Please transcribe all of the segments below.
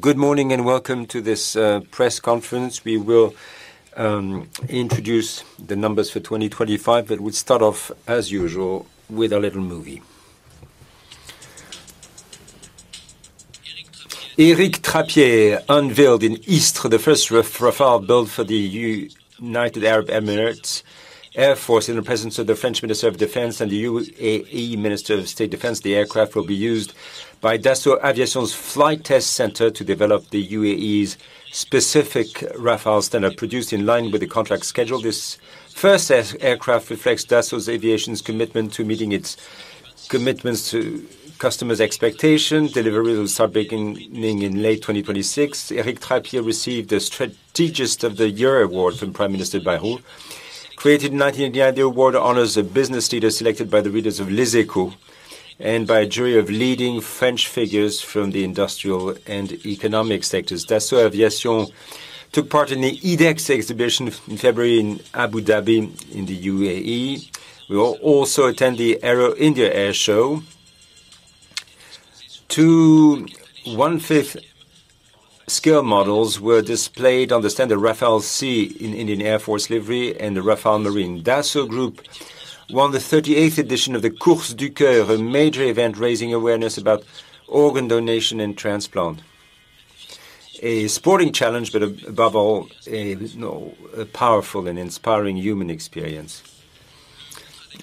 Good morning and welcome to this press conference. We will introduce the numbers for 2025, but we'll start off as usual with a little movie. Éric Trappier unveiled in Istres the first Rafale built for the United Arab Emirates Air Force in the presence of the French Minister of Defense and the UAE Minister of State Defense. The aircraft will be used by Dassault Aviation's flight test center to develop the UAE's specific Rafale standard produced in line with the contract schedule. This first aircraft reflects Dassault Aviation's commitment to meeting its commitments to customers' expectation. Delivery will start beginning in late 2026. Éric Trappier received the Strategist of the Year award from Prime Minister Barnier. Created in 1989, the award honors a business leader selected by the readers of Les Echos and by a jury of leading French figures from the industrial and economic sectors. Dassault Aviation took part in the IDEX exhibition in February in Abu Dhabi in the UAE. We will also attend the Aero India Air Show. Two one-fifth scale models were displayed on the standard Rafale C in Indian Air Force livery and the Rafale Marine. Dassault Group won the 38th edition of the Course du Coeur, a major event raising awareness about organ donation and transplant. A sporting challenge, but above all, a, you know, a powerful and inspiring human experience.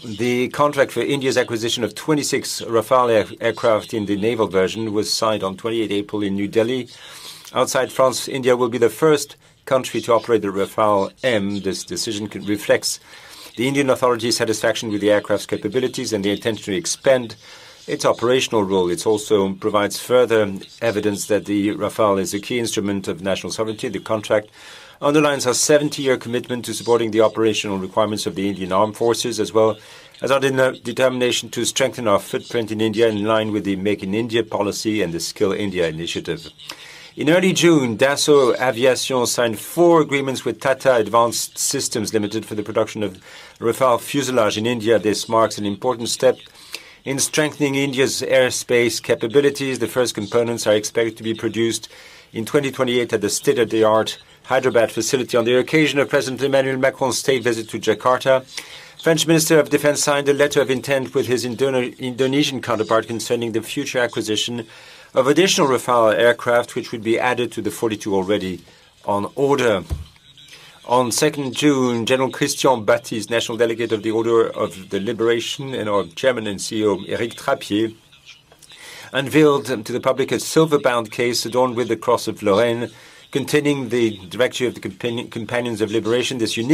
The contract for India's acquisition of 26 Rafale aircraft in the naval version was signed on April 28th in New Delhi. Outside France, India will be the first country to operate the Rafale M. This decision reflects the Indian authority's satisfaction with the aircraft's capabilities and the intention to expand its operational role. It also provides further evidence that the Rafale is a key instrument of national sovereignty. The contract underlines our 70-year commitment to supporting the operational requirements of the Indian Armed Forces, as well as our determination to strengthen our footprint in India in line with the Make in India policy and the Skill India initiative. In early June, Dassault Aviation signed four agreements with Tata Advanced Systems Limited for the production of Rafale fuselage in India. This marks an important step in strengthening India's airspace capabilities. The first components are expected to be produced in 2028 at the state-of-the-art Hyderabad facility. On the occasion of President Emmanuel Macron's state visit to Jakarta, French Minister of Defense signed a letter of intent with his Indonesian counterpart concerning the future acquisition of additional Rafale aircraft, which would be added to the 42 already on order. On June 2, General Christian Baptiste, National Delegate of the Order of the Liberation, and our Chairman and CEO, Éric Trappier, unveiled to the public a silver-bound case adorned with the Cross of Lorraine containing the Directory of the Companions of Liberation. Dassault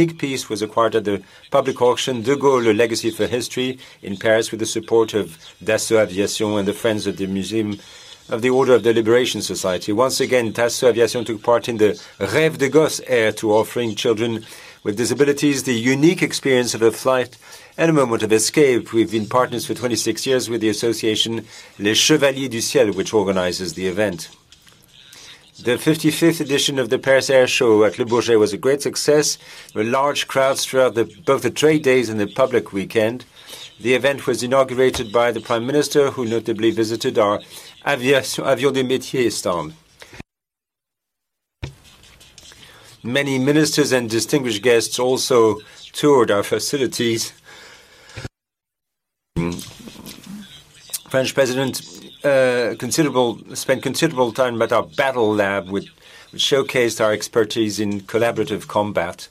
Aviation took part in the Rêves de Gosse air tour, offering children with disabilities the unique experience of a flight and a moment of escape. We've been partners for 26 years with the association Les Chevaliers du ciel, which organizes the event. The 55th edition of the Paris Air Show at Le Bourget was a great success, with large crowds throughout both the trade days and the public weekend. The event was inaugurated by the Prime Minister, who notably visited our L'Avion des Métiers stand. Many ministers and distinguished guests also toured our facilities. French President spent considerable time at our Battle Lab, which showcased our expertise in collaborative combat.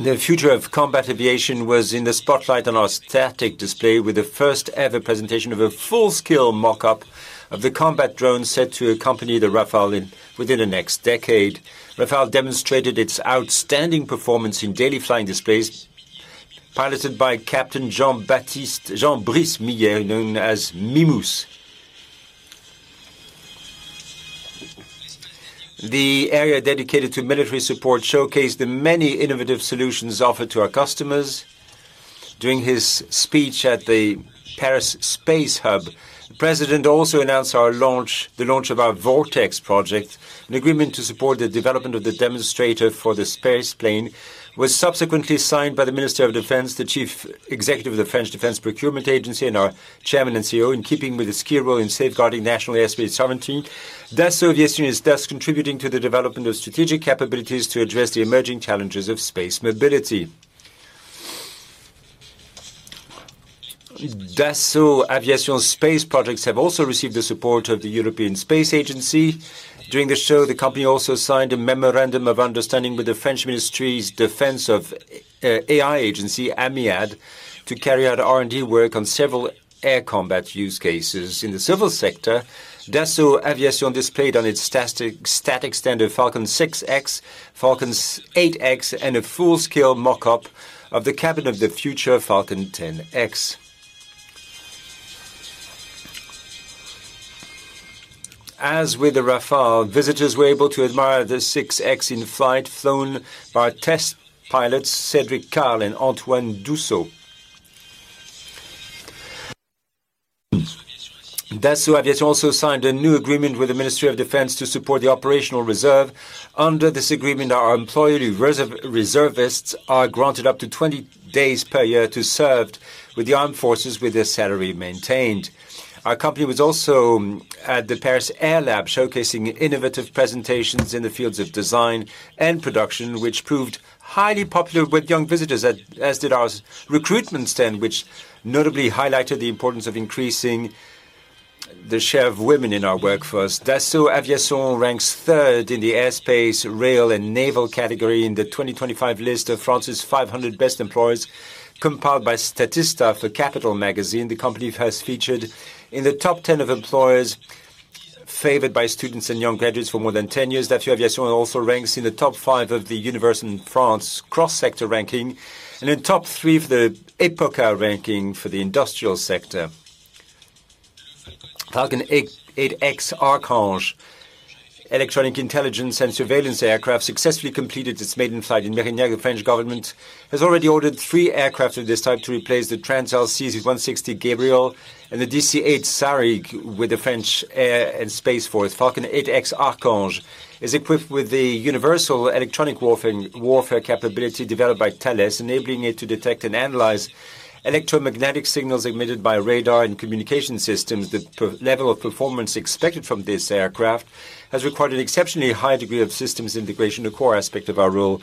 The future of combat aviation was in the spotlight on our static display with the first-ever presentation of a full-scale mock-up of the combat drone set to accompany the Rafale within the next decade. Rafale demonstrated its outstanding performance in daily flying displays piloted by Captain Jean Baptiste, Jean-Brice Millet, known as Mimousse. The area dedicated to military support showcased the many innovative solutions offered to our customers. During his speech at the Paris Space Hub, the President also announced the launch of our VORTEX project. An agreement to support the development of the demonstrator for the space plane was subsequently signed by the Minister of Defense, the Chief Executive of the French Defence Procurement Agency, and our Chairman and CEO. In keeping with its key role in safeguarding national airspace sovereignty, Dassault Aviation is thus contributing to the development of strategic capabilities to address the emerging challenges of space mobility. Dassault Aviation space projects have also received the support of the European Space Agency. During the show, the company also signed a memorandum of understanding with the French Ministry's Defense of AI agency, AMIAD, to carry out R&D work on several air combat use cases. In the civil sector, Dassault Aviation displayed on its static standard Falcon 6X, Falcon 8X, and a full-scale mock-up of the cabin of the future Falcon 10X. As with the Rafale, visitors were able to admire the 6X in-flight, flown by test pilots Cédric Carl and Antoine Dussault. Dassault Aviation also signed a new agreement with the Ministry of Defense to support the operational reserve. Under this agreement, our employee reservists are granted up to 20 days per year to serve with the armed forces with their salary maintained. Our company was also at the Paris Air Lab showcasing innovative presentations in the fields of design and production, which proved highly popular with young visitors, as did our recruitment stand, which notably highlighted the importance of increasing the share of women in our workforce. Dassault Aviation ranks third in the airspace, rail, and naval category in the 2025 list of France's 500 best employers compiled by Statista for Capital. The company has featured in the top 10 of employers favored by students and young graduates for more than 10 years. Dassault Aviation also ranks in the top five of the Universum in France cross-sector ranking and in top three for the Época ranking for the industrial sector. Falcon 8X Archange electronic intelligence and surveillance aircraft successfully completed its maiden flight in Mérignac. The French government has already ordered three aircraft of this type to replace the Transall C-160G Gabriel and the DC-8 Sarigue with the French Air and Space Force. Falcon 8X Archange is equipped with the universal electronic warfare capability developed by Thales, enabling it to detect and analyze electromagnetic signals emitted by radar and communication systems. The per-level of performance expected from this aircraft has required an exceptionally high degree of systems integration, a core aspect of our role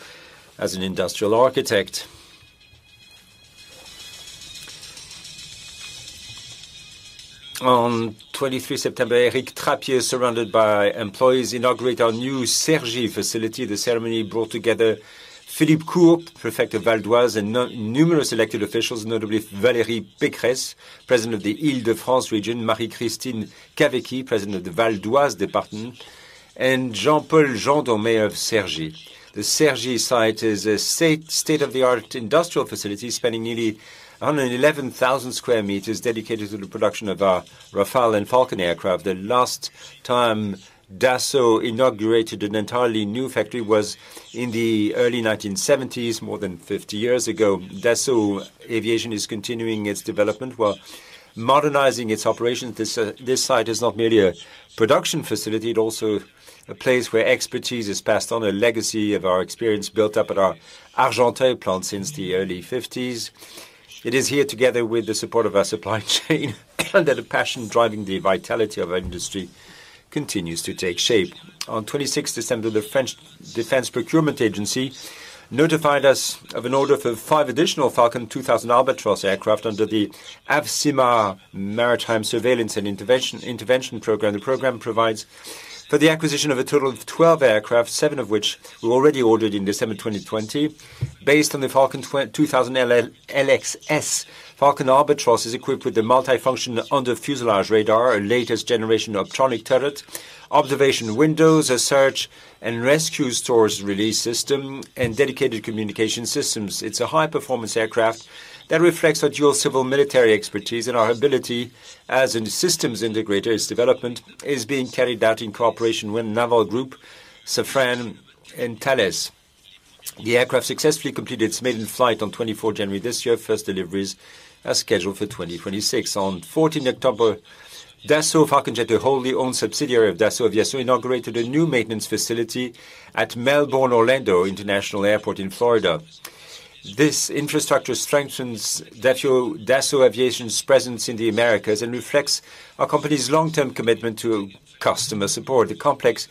as an industrial architect. On 23 September, Éric Trappier, surrounded by employees, inaugurated our new Cergy facility. The ceremony brought together Philippe Court, Prefect of Val-d'Oise, and numerous elected officials, notably Valérie Pécresse, President of the Île-de-France region, Marie-Christine Cavecchi, President of the Val-d'Oise department, and Jean-Paul Jeandon, Mayor of Cergy. The Cergy site is a state-of-the-art industrial facility spanning nearly 111,000 square meters dedicated to the production of our Rafale and Falcon aircraft. The last time Dassault inaugurated an entirely new factory was in the early 1970s, more than 50 years ago. Dassault Aviation is continuing its development while modernizing its operations. This site is not merely a production facility, it also a place where expertise is passed on, a legacy of our experience built up at our Argenteuil plant since the early 1950s. It is here, together with the support of our supply chain that a passion driving the vitality of our industry continues to take shape. On 26 December, the French Defense Procurement Agency notified us of an order for five additional Falcon2000 Albatros aircraft under the AVSIMAR maritime surveillance and intervention program. The program provides for the acquisition of a total of 12 aircraft, seven of which were already ordered in December 2020. Based on the Falcon2000LXS, Falcon Albatros is equipped with a multifunction under-fuselage radar, a latest generation of tronic turret, observation windows, a search and rescue stores release system, and dedicated communication systems. It's a high-performance aircraft that reflects our dual civil-military expertise and our ability as a systems integrator. Its development is being carried out in cooperation with Naval Group, Safran, and Thales. The aircraft successfully completed its maiden flight on 24 January this year. First deliveries are scheduled for 2026. On 14 October, Dassault Falcon Jet, a wholly owned subsidiary of Dassault Aviation, inaugurated a new maintenance facility at Melbourne Orlando International Airport in Florida. This infrastructure strengthens Dassault Aviation's presence in the Americas and reflects our company's long-term commitment to customer support. The complex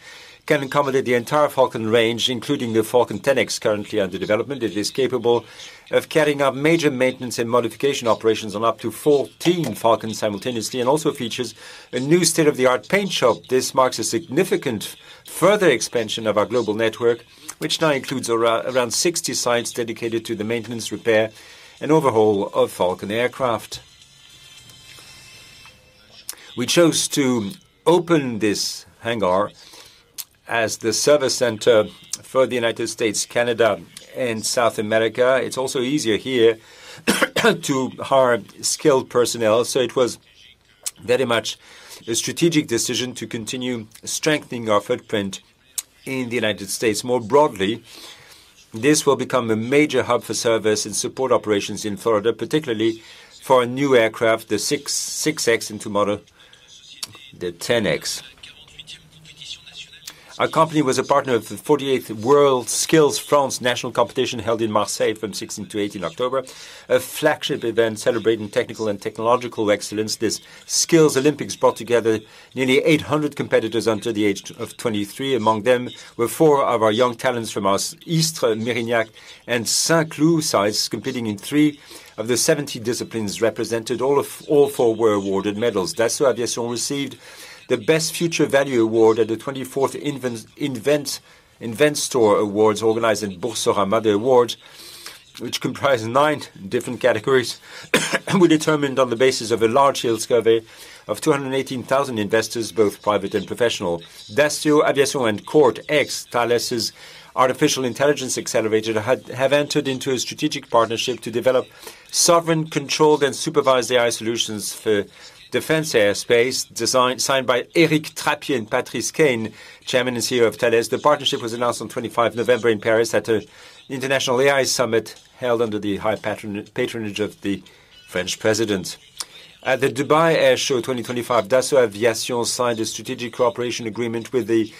can accommodate the entire Falcon range, including the Falcon 10X currently under development. It is capable of carrying out major maintenance and modification operations on up to 14 Falcons simultaneously and also features a new state-of-the-art paint shop. This marks a significant further expansion of our global network, which now includes around 60 sites dedicated to the maintenance, repair, and overhaul of Falcon aircraft. We chose to open this hangar as the service center for the United States, Canada, and South America. It's also easier here to hire skilled personnel, it was very much a strategic decision to continue strengthening our footprint in the United States. More broadly, this will become a major hub for service and support operations in Florida, particularly for our new aircraft, the 6X and tomorrow the 10X. Our company was a partner of the 48th WorldSkills France national competition held in Marseille from 6th to 18 October, a flagship event celebrating technical and technological excellence. This Skills Olympics brought together nearly 800 competitors under the age of 23. Among them were four of our young talents from our Istres, Mérignac, and Saint-Cloud sites, competing in three of the 70 disciplines represented. All four were awarded medals. Dassault Aviation received the Best Future Value award at the 24th Investor Awards organized in Bourg-Saint-Maurice, which comprised nine different categories and were determined on the basis of a large-scale survey of 218,000 investors, both private and professional. Dassault Aviation and Cortext, Thales's artificial intelligence accelerator, have entered into a strategic partnership to develop sovereign-controlled and supervised AI solutions for defense aerospace. Signed by Éric Trappier and Patrice Caine, Chairman and CEO of Thales. The partnership was announced on 25 November in Paris at an international AI summit held under the high patronage of the French president. At the Dubai Airshow 2025, Dassault Aviation signed a strategic cooperation agreement with the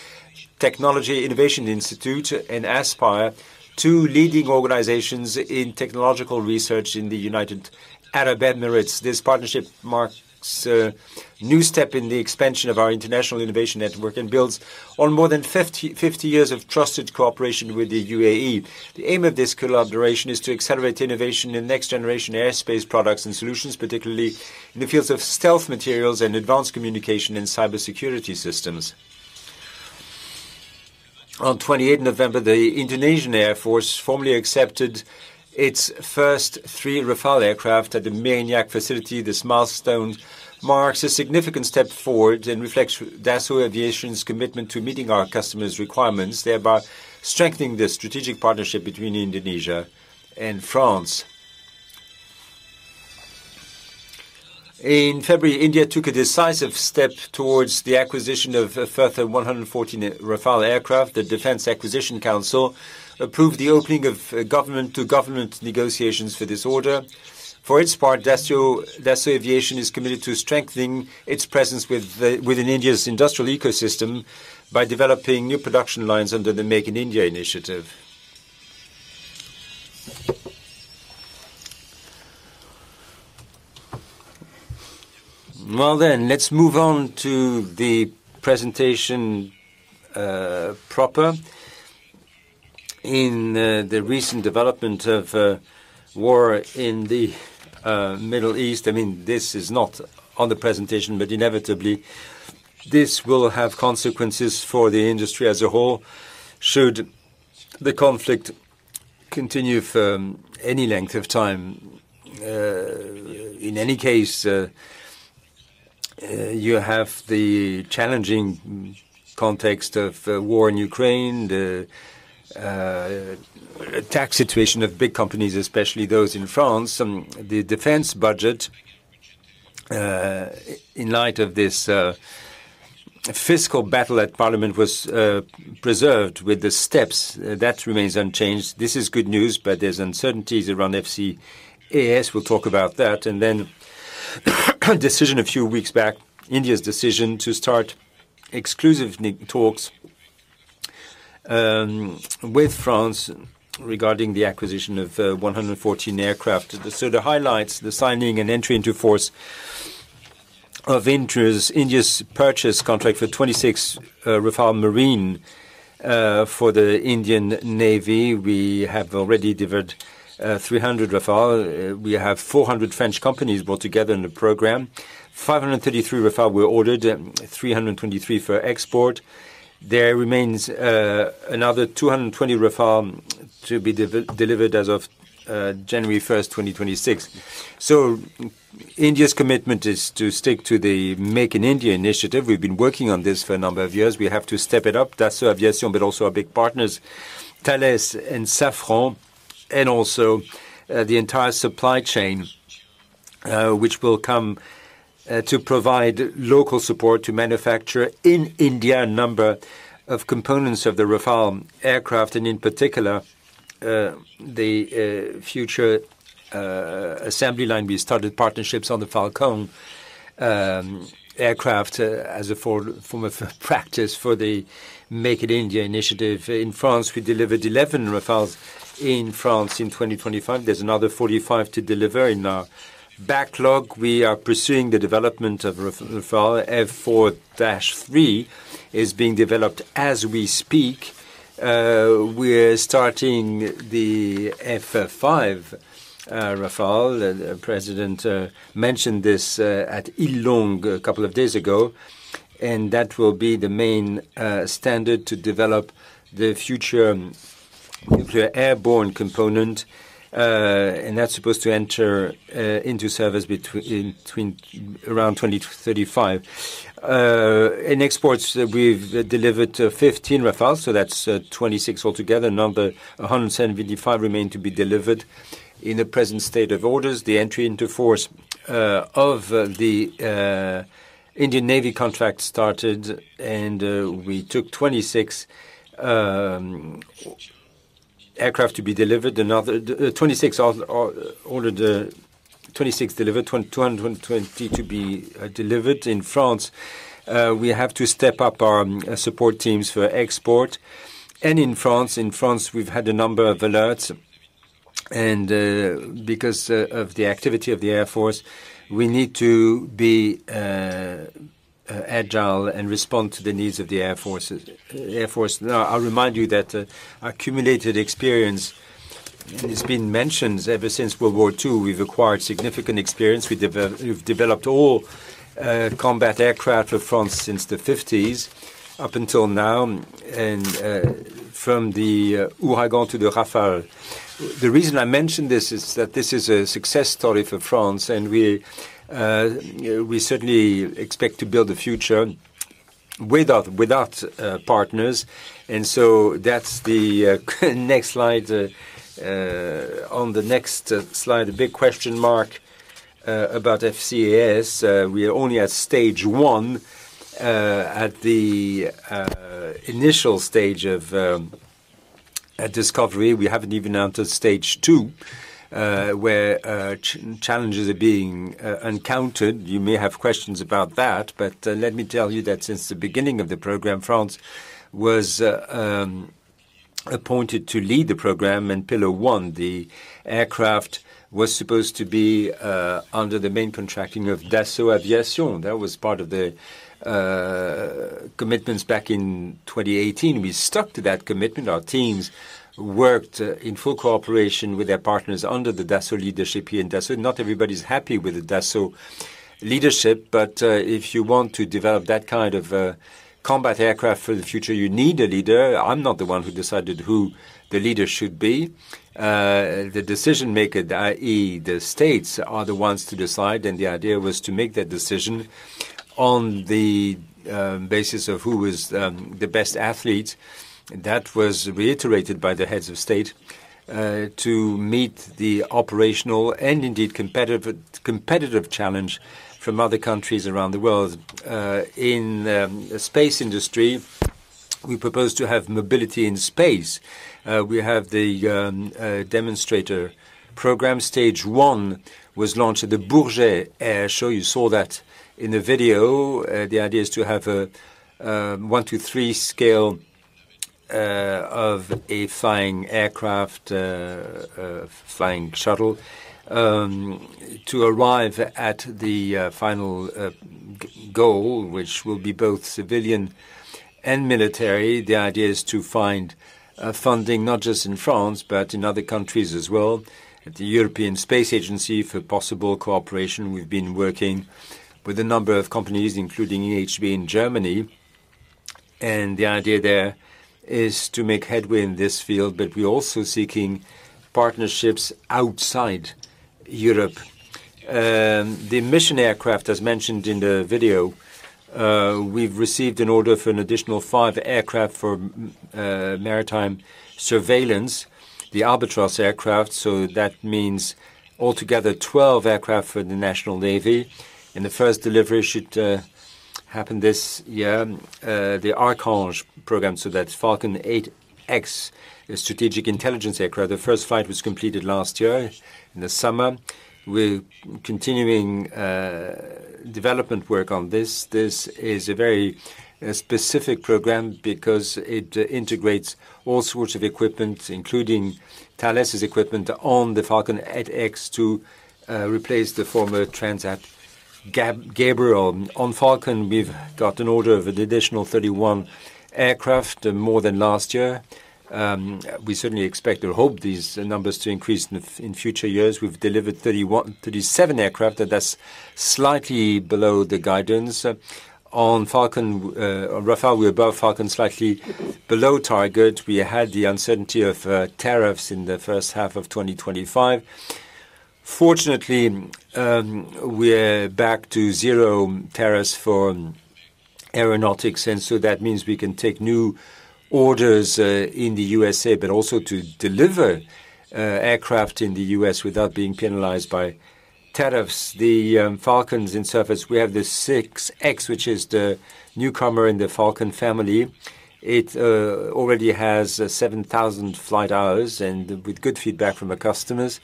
Technology Innovation Institute and ASPIRE, two leading organizations in technological research in the United Arab Emirates. This partnership marks a new step in the expansion of our international innovation network and builds on more than 50 years of trusted cooperation with the UAE. The aim of this collaboration is to accelerate innovation in next-generation airspace products and solutions, particularly in the fields of stealth materials and advanced communication and cybersecurity systems. On 28th November, the Indonesian Air Force formally accepted its first 3 Rafale aircraft at the Mérignac facility. This milestone marks a significant step forward and reflects Dassault Aviation's commitment to meeting our customers' requirements, thereby strengthening the strategic partnership between Indonesia and France. In February, India took a decisive step towards the acquisition of a further 114 Rafale aircraft. The Defense Acquisition Council approved the opening of government-to-government negotiations for this order. For its part, Dassault Aviation is committed to strengthening its presence with within India's industrial ecosystem by developing new production lines under the Make in India initiative. Let's move on to the presentation proper. In the recent development of war in the Middle East, I mean, this is not on the presentation, but inevitably this will have consequences for the industry as a whole should the conflict continue for any length of time. In any case, you have the challenging context of war in Ukraine, the tax situation of big companies, especially those in France, and the defense budget, in light of this fiscal battle at parliament was preserved with the steps. That remains unchanged. This is good news, there's uncertainties around FCAS. We'll talk about that. A decision a few weeks back, India's decision to start exclusive talks with France regarding the acquisition of 11four aircraft. The highlights, the signing and entry into force of India's purchase contract for 26 Rafale marine for the Indian Navy. We have already delivered 300 Rafale. We have 400 French companies brought together in the program. 533 Rafale were ordered, 323 for export. There remains another 220 Rafale to be delivered as of January 1st, 2026. India's commitment is to stick to the Make in India initiative. We've been working on this for a number of years. We have to step it up, Dassault Aviation, but also our big partners, Thales and Safran, and also the entire supply chain, which will come to provide local support to manufacture in India a number of components of the Rafale aircraft and in particular the future assembly line. We started partnerships on the Falcon aircraft as a form of practice for the Make in India initiative. In France, we delivered 11 Rafales in France in 2025. There's another 45 to deliver in our backlog. We are pursuing the development of Rafale. F4-3 is being developed as we speak. We're starting the F5 Rafale. The president mentioned this at Île Longue a couple of days ago, that will be the main standard to develop the future nuclear airborne component. That's supposed to enter into service around 2035. In exports, we've delivered 15 Rafale, so that's 26 altogether. Another 175 remain to be delivered. In the present state of orders, the entry into force of the Indian Navy contract started, we took 26 aircraft to be delivered. 26 are ordered, 26 delivered, 220 to be delivered. In France, we have to step up our support teams for export. In France, in France, we've had a number of alerts, because of the activity of the Air Force, we need to be agile and respond to the needs of the Air Force. Now, I'll remind you that accumulated experience has been mentioned ever since World War II. We've acquired significant experience. We've developed all combat aircraft of France since the 1950s up until now and from the Ouragan to the Rafale. The reason I mention this is that this is a success story for France, and we certainly expect to build a future without partners. That's the next slide. On the next slide, a big question mark about FCAS. We are only at stage one, at the initial stage of Discovery, we haven't even entered stage two, where challenges are being encountered. You may have questions about that. Let me tell you that since the beginning of the program, France was appointed to lead the program in Pillar One. The aircraft was supposed to be under the main contracting of Dassault Aviation. That was part of the commitments back in 2018. We stuck to that commitment. Our teams worked in full cooperation with their partners under the Dassault leadership here in Dassault. Not everybody's happy with the Dassault leadership. If you want to develop that kind of a combat aircraft for the future, you need a leader. I'm not the one who decided who the leader should be. The decision maker, i.e. The states are the ones to decide, and the idea was to make that decision on the basis of who is the best athlete. That was reiterated by the heads of state to meet the operational and indeed competitive challenge from other countries around the world. In space industry, we propose to have mobility in space. We have the demonstrator program. Stage 1 was launched at the Bourget Air Show. You saw that in the video. The idea is to have a one, two, three scale of a flying aircraft, a flying shuttle to arrive at the final goal, which will be both civilian and military. The idea is to find funding not just in France, but in other countries as well, at the European Space Agency for possible cooperation. We've been working with a number of companies, including OHB in Germany. The idea there is to make headway in this field, but we're also seeking partnerships outside Europe. The mission aircraft, as mentioned in the video, we've received an order for an additional five aircraft for maritime surveillance, the Albatros aircraft. That means altogether 12 aircraft for the French Navy, and the first delivery should happen this year. The Archange program, that's Falcon 8X, a strategic intelligence aircraft. The first flight was completed last year in the summer. We're continuing development work on this. This is a very specific program because it integrates all sorts of equipment, including Thales's equipment on the Falcon 8X to replace the former Transall C-160G Gabriel. On Falcon, we've got an order of an additional 31 aircraft, more than last year. We certainly expect or hope these numbers to increase in future years. We've delivered 37 aircraft, and that's slightly below the guidance. On Falcon, Rafale, we're above Falcon, slightly below target. We had the uncertainty of tariffs in the first half of 2025. Fortunately, we're back to zero tariffs for aeronautics, and so that means we can take new orders in the USA, but also to deliver aircraft in the U.S. without being penalized by tariffs. The Falcons in surface, we have the Falcon 6X, which is the newcomer in the Falcon family. It already has 7,000 flight hours and with good feedback from the customers.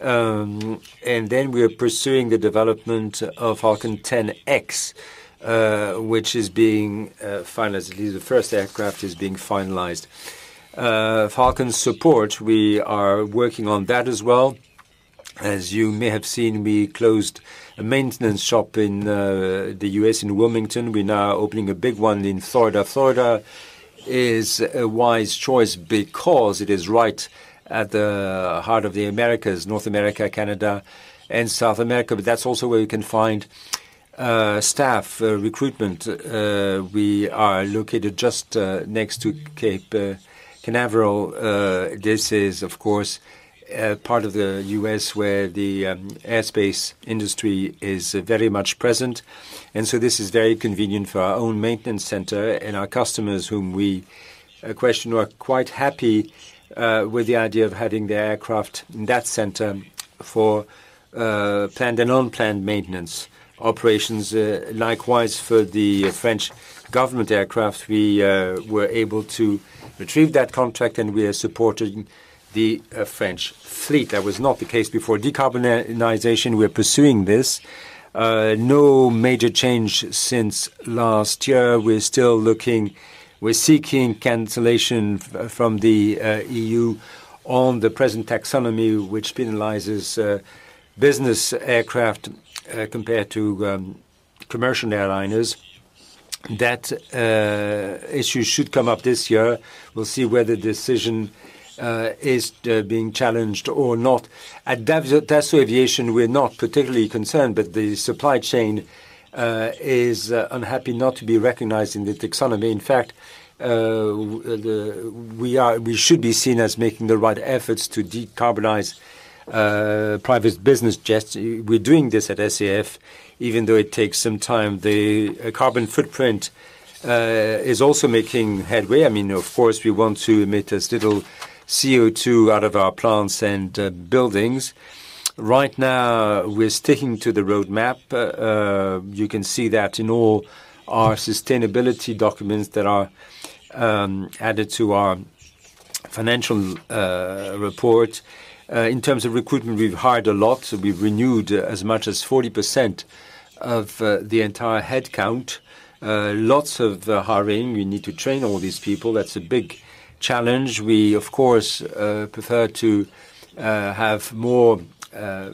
We are pursuing the development of Falcon 10X, which is being finalized. At least the first aircraft is being finalized. Falcon support, we are working on that as well. As you may have seen, we closed a maintenance shop in the U.S. in Wilmington. We're now opening a big one in Florida. Florida is a wise choice because it is right at the heart of the Americas, North America, Canada, and South America, but that's also where you can find staff recruitment. We are located just next to Cape Canaveral. This is, of course, a part of the U.S. where the aerospace industry is very much present. This is very convenient for our own maintenance center and our customers, whom we question were quite happy with the idea of having the aircraft in that center for planned and unplanned maintenance operations. Likewise for the French government aircraft, we were able to retrieve that contract, and we are supporting the French fleet. That was not the case before. Decarbonization, we're pursuing this. No major change since last year. We're still looking. We're seeking cancellation from the EU on the present taxonomy, which penalizes business aircraft compared to commercial airliners. That issue should come up this year. We'll see whether the decision is being challenged or not. At Dassault Aviation, we're not particularly concerned that the supply chain is unhappy not to be recognized in the taxonomy. In fact, we should be seen as making the right efforts to decarbonize private business jets. We're doing this at SAF, even though it takes some time. The carbon footprint is also making headway. I mean, of course, we want to emit as little CO2 out of our plants and buildings. Right now, we're sticking to the roadmap. You can see that in all our sustainability documents that are added to our financial report. In terms of recruitment, we've hired a lot, so we've renewed as much as 40% of the entire headcount. Lots of the hiring. We need to train all these people. That's a big challenge. We, of course, prefer to have more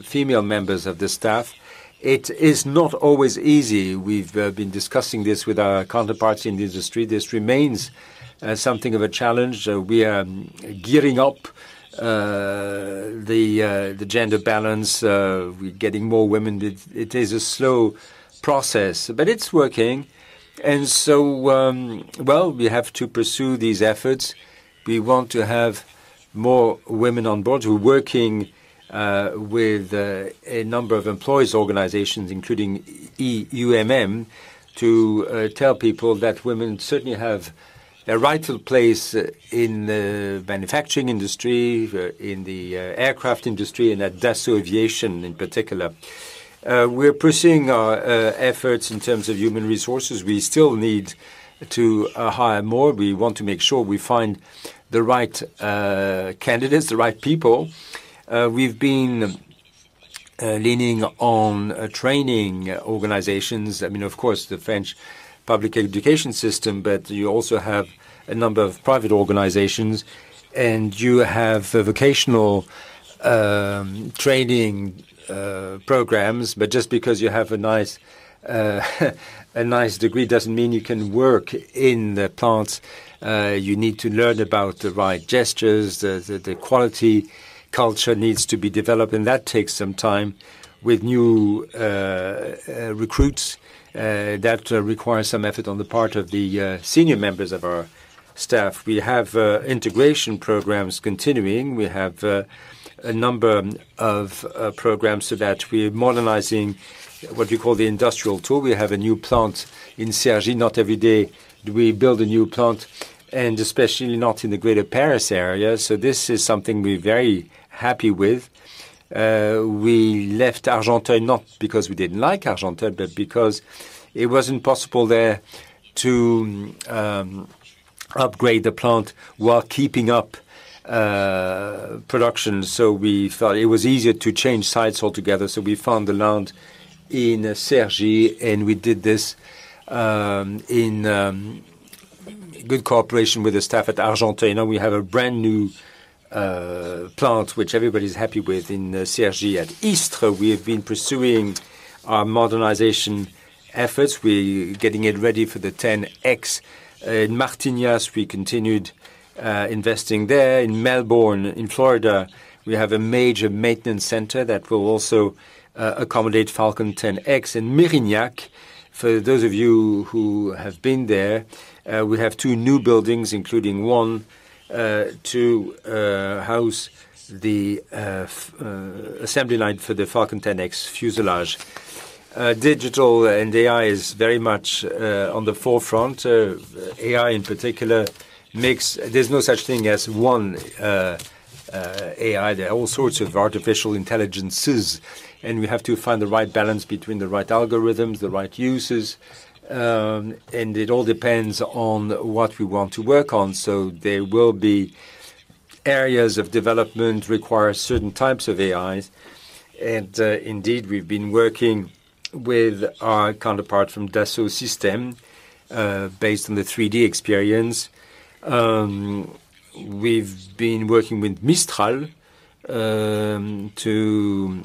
female members of the staff. It is not always easy. We've been discussing this with our counterparts in the industry. This remains something of a challenge. We are gearing up the gender balance. We're getting more women. It is a slow process, but it's working. Well, we have to pursue these efforts. We want to have more women on board. We're working with a number of employees organizations, including UIMM, to tell people that women certainly have a rightful place in the manufacturing industry, in the aircraft industry, and at Dassault Aviation in particular. We're pursuing our efforts in terms of human resources. We still need to hire more. We want to make sure we find the right candidates, the right people. We've been leaning on training organizations. I mean, of course, the French public education system, but you also have a number of private organizations, and you have the vocational training programs. But just because you have a nice degree doesn't mean you can work in the plants. You need to learn about the right gestures. The quality culture needs to be developed, that takes some time. With new recruits, that requires some effort on the part of the senior members of our staff. We have integration programs continuing. We have a number of programs so that we're modernizing what you call the industrial tool. We have a new plant in Cergy. Not every day do we build a new plant, especially not in the Greater Paris area, this is something we're very happy with. We left Argenteuil not because we didn't like Argenteuil, but because it wasn't possible there to upgrade the plant while keeping up production. We felt it was easier to change sites altogether. We found the land in Cergy, and we did this in good cooperation with the staff at Argenteuil. Now we have a brand-new plant which everybody's happy with in Cergy. At Istres, we have been pursuing our modernization efforts. We're getting it ready for the 10X. In Martignas, we continued investing there. In Melbourne, in Florida, we have a major maintenance center that will also accommodate Falcon 10X. In Mérignac, for those of you who have been there, we have two new buildings, including one to house the assembly line for the Falcon 10X fuselage. Digital and AI is very much on the forefront. AI in particular There's no such thing as one AI. There are all sorts of artificial intelligences, and we have to find the right balance between the right algorithms, the right uses, and it all depends on what we want to work on. There will be areas of development require certain types of AIs, and indeed, we've been working with our counterpart from Dassault Systèmes, based on the 3DEXPERIENCE. We've been working with Mistral to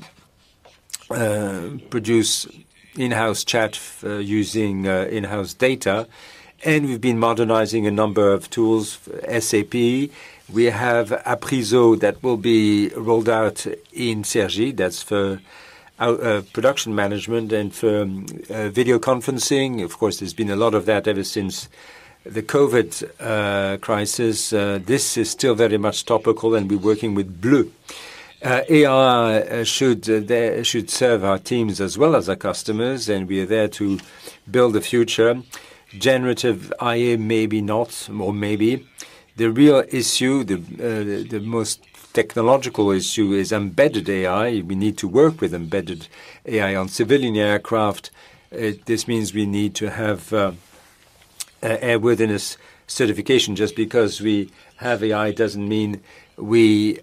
produce in-house chat using in-house data, and we've been modernizing a number of tools, SAP. We have Apriso that will be rolled out in Cergy. That's for our production management and firm video conferencing. Of course, there's been a lot of that ever since the COVID crisis. This is still very much topical, and we're working with Blue. AI should serve our teams as well as our customers, we are there to build a future. Generative AI maybe not or maybe. The real issue, the most technological issue is embedded AI. We need to work with embedded AI on civilian aircraft. This means we need to have airworthiness certification. Just because we have AI doesn't mean we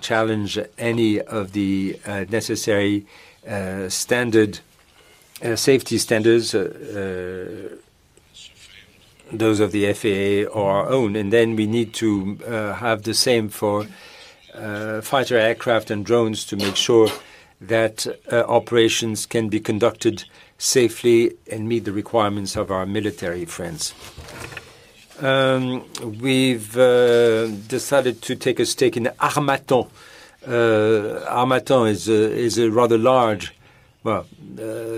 challenge any of the necessary standard safety standards, those of the FAA or our own. Then we need to have the same for fighter aircraft and drones to make sure that operations can be conducted safely and meet the requirements of our military friends. We've decided to take a stake in Armamat. Armamat is a rather large, well,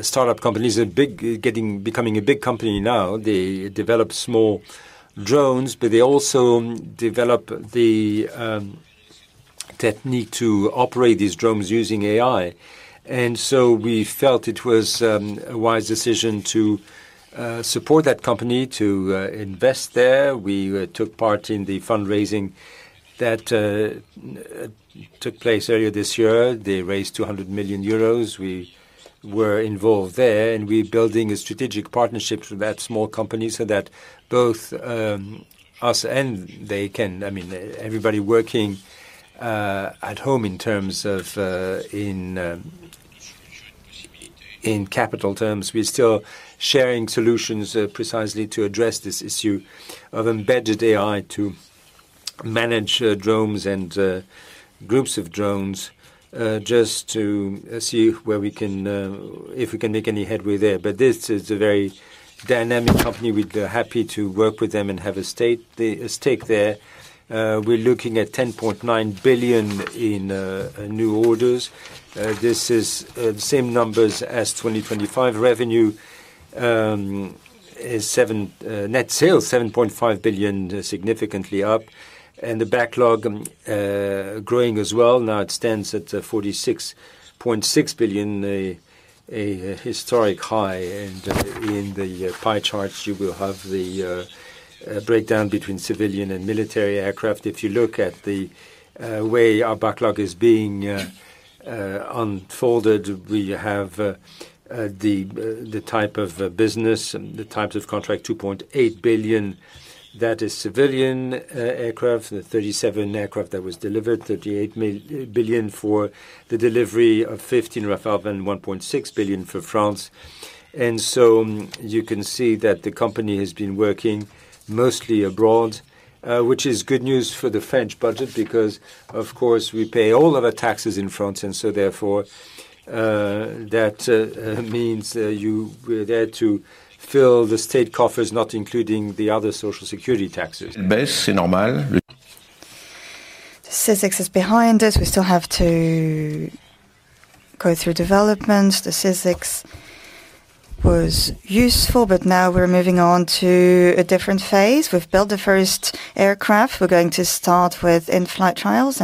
startup company. It's a big becoming a big company now. They develop small drones, they also develop the technique to operate these drones using AI. We felt it was a wise decision to support that company, to invest there. We took part in the fundraising that took place earlier this year. They raised 200 million euros. We're building a strategic partnership with that small company so that both us and they can... I mean, everybody working at home in terms of in capital terms, we're still sharing solutions precisely to address this issue of embedded AI to manage drones and groups of drones just to see if we can make any headway there. This is a very dynamic company. We'd be happy to work with them and have a stake there. We're looking at 10.9 billion in new orders. This is the same numbers as 2025 revenue. Net sales 7.5 billion, significantly up. The backlog growing as well. Now it stands at 46.6 billion, a historic high. In the pie charts, you will have the breakdown between civilian and military aircraft. If you look at the way our backlog is being unfolded, we have the type of business and the types of contract, 2.8 billion. That is civilian aircraft, the 37 aircraft that was delivered, 38 billion for the delivery of 15 Rafale and 1.6 billion for France. You can see that the company has been working mostly abroad, which is good news for the French budget because, of course, we pay all of our taxes in France, therefore, that means that you were there to fill the state coffers, not including the other Social Security taxes. The Sesex is behind us. We still have to go through development. The Sesex was useful. Now we're moving on to a different phase. We've built the first aircraft. We're going to start with in-flight trials.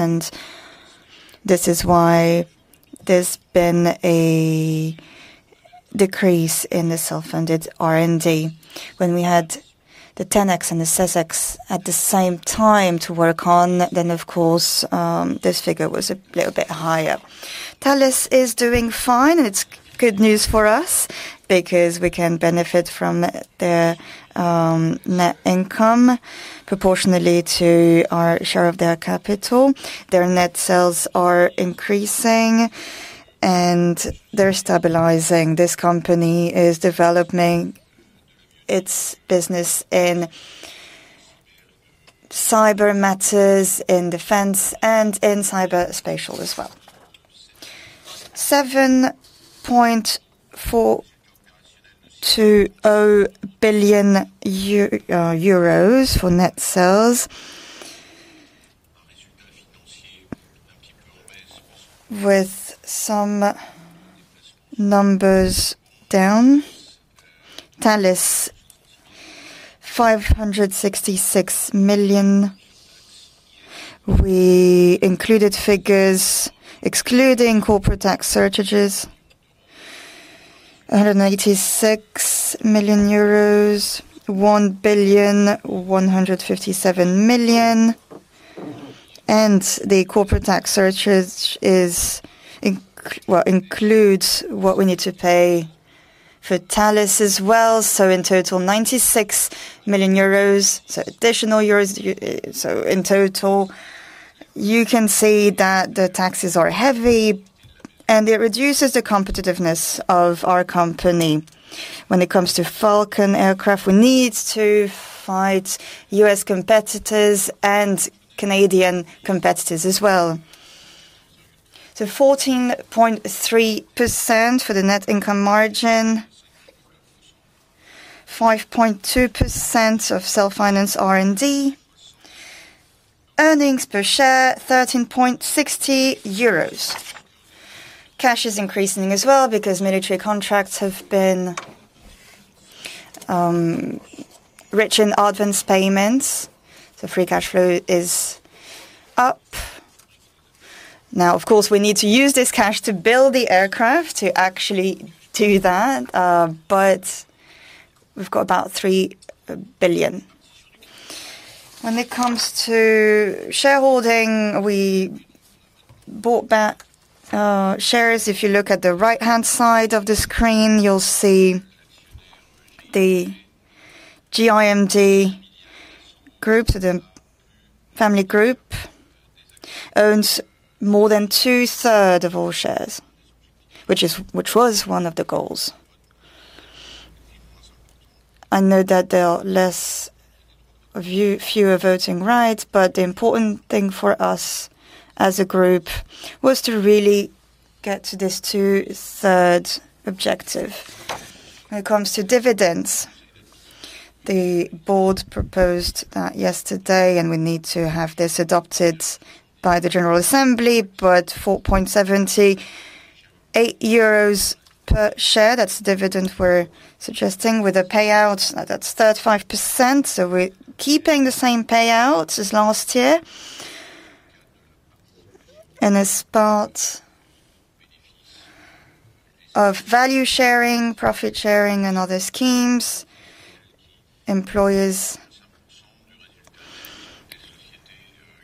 This is why there's been a decrease in the self-funded R&D. When we had the Tenex and the Sesex at the same time to work on, then of course, this figure was a little bit higher. Thales is doing fine. It's good news for us because we can benefit from their net income proportionally to our share of their capital. Their net sales are increasing. They're stabilizing. This company is developing its business in cyber matters, in defense, and in cyber spatial as well. 7.420 billion euros for net sales. With some numbers down. Thales, EUR 566 million. We included figures excluding corporate tax surcharges, 186 million euros, 1.157 billion. The corporate tax surcharge includes what we need to pay for Thales as well. In total, 96 million euros. Additional Euros. In total, you can see that the taxes are heavy, and it reduces the competitiveness of our company. When it comes to Falcon aircraft, we need to fight U.S. competitors and Canadian competitors as well. 14.3% for the net income margin. 5.2% of self-finance R&D. Earnings per share, 13.60 euros. Cash is increasing as well because military contracts have been rich in advance payments, so free cash flow is up. Now, of course, we need to use this cash to build the aircraft to actually do that, but we've got about 3 billion. When it comes to shareholding, we bought back shares. If you look at the right-hand side of the screen, you'll see the GIMD group, the family group, owns more than 2/3 of all shares, which was one of the goals. I know that there are fewer voting rights, but the important thing for us as a group was to really get to this 2/3 objective. When it comes to dividends, the board proposed that yesterday, and we need to have this adopted by the General Assembly, but 4.78 euros per share, that's the dividend we're suggesting with a payout that's 35%, so we're keeping the same payout as last year. As part of value sharing, profit sharing, and other schemes, employers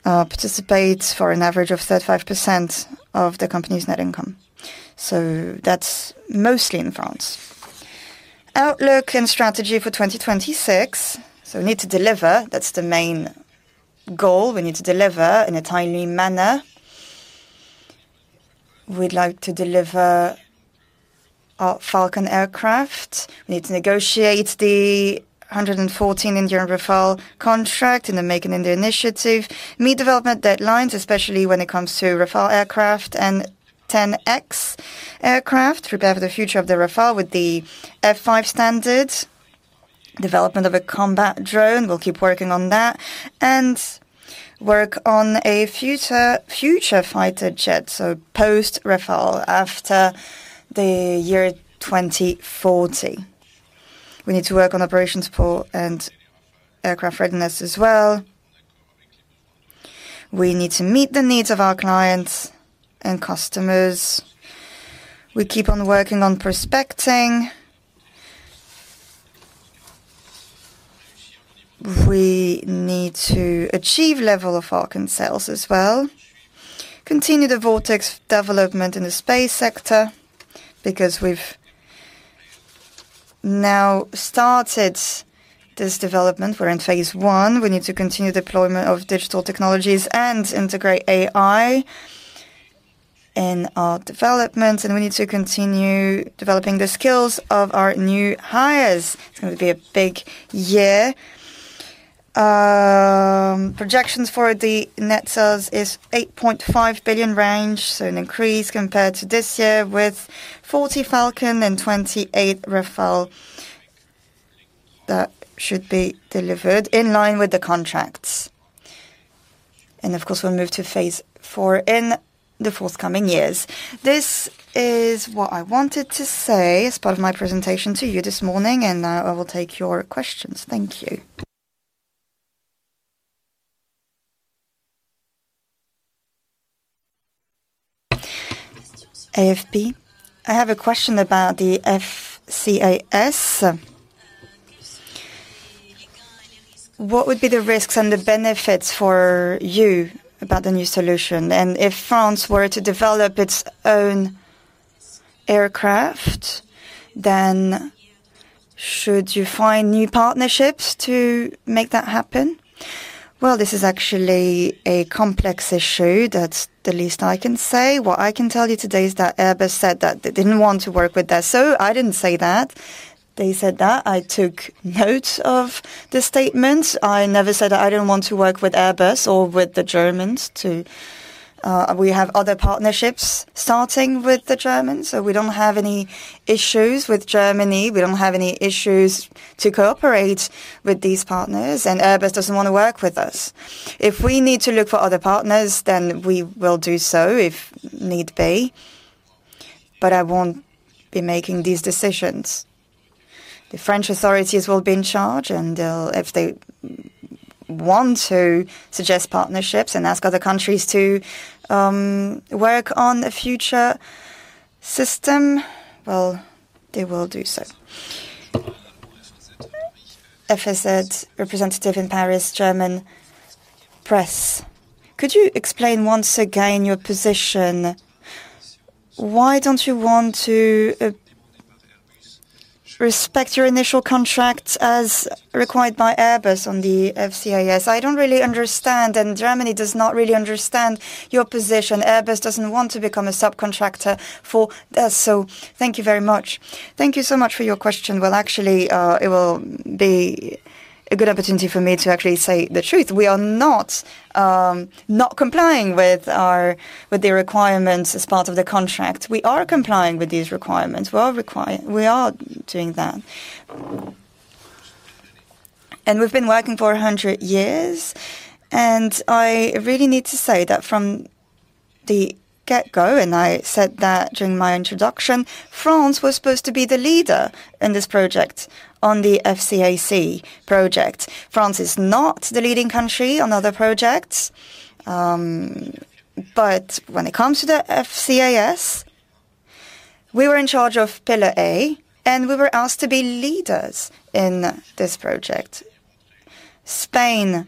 participate for an average of 35% of the company's net income. That's mostly in France. Outlook and strategy for 2026. We need to deliver. That's the main goal. We need to deliver in a timely manner. We'd like to deliver our Falcon aircraft. We need to negotiate the 114 Indian Rafale contract in the Make in India initiative. Meet development deadlines, especially when it comes to Rafale aircraft and 10X aircraft. Prepare for the future of the Rafale with the F-5 standards. Development of a combat drone. We'll keep working on that and work on a future fighter jet, post Rafale after the year 2040. We need to work on operation support and aircraft readiness as well. We need to meet the needs of our clients and customers. We keep on working on prospecting. We need to achieve level of Falcon sales as well. Continue the VORTEX development in the space sector because we've now started this development. We're in phase l. We need to continue deployment of digital technologies and integrate AI in our developments, and we need to continue developing the skills of our new hires. It's gonna be a big year. Projections for the net sales is 8.5 billion range, so an increase compared to this year with 40 Falcon and 28 Rafale that should be delivered in line with the contracts. Of course, we'll move to phase lV in the forthcoming years. This is what I wanted to say as part of my presentation to you this morning. Now I will take your questions. Thank you. AFP. I have a question about the FCAS. What would be the risks and the benefits for you about the new solution? If France were to develop its own aircraft, then should you find new partnerships to make that happen? This is actually a complex issue. That's the least I can say. What I can tell you today is that Airbus said that they didn't want to work with us. I didn't say that. They said that. I took note of the statement. I never said I didn't want to work with Airbus or with the Germans to. We have other partnerships starting with the Germans, so we don't have any issues with Germany. We don't have any issues to cooperate with these partners, and Airbus doesn't wanna work with us. If we need to look for other partners, then we will do so if need be. I won't be making these decisions. The French authorities will be in charge, if they want to suggest partnerships and ask other countries to work on a future system, well, they will do so. FS representative in Paris, German press. Could you explain once again your position? Why don't you want to respect your initial contracts as required by Airbus on the FCAS? I don't really understand, Germany does not really understand your position. Airbus doesn't want to become a subcontractor for this. Thank you very much. Thank you so much for your question. Well, actually, it will be a good opportunity for me to actually say the truth. We are not not complying with the requirements as part of the contract. We are complying with these requirements. We are doing that. We've been working for 100 years, I really need to say that from the get-go, I said that during my introduction, France was supposed to be the leader in this project on the FCAS project. France is not the leading country on other projects, when it comes to the FCAS, we were in charge of Pillar 1, we were asked to be leaders in this project. Spain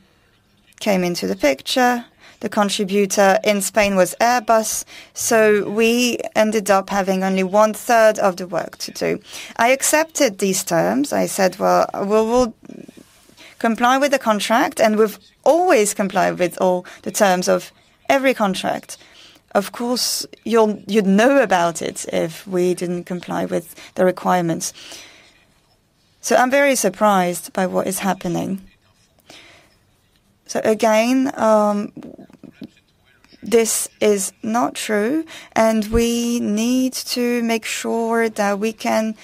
came into the picture. The contributor in Spain was Airbus. We ended up having only one-third of the work to do. I accepted these terms. I said, "Well, we will comply with the contract," we've always complied with all the terms of every contract. Of course, you'd know about it if we didn't comply with the requirements. I'm very surprised by what is happening. Again, this is not true, and we need to make sure that we can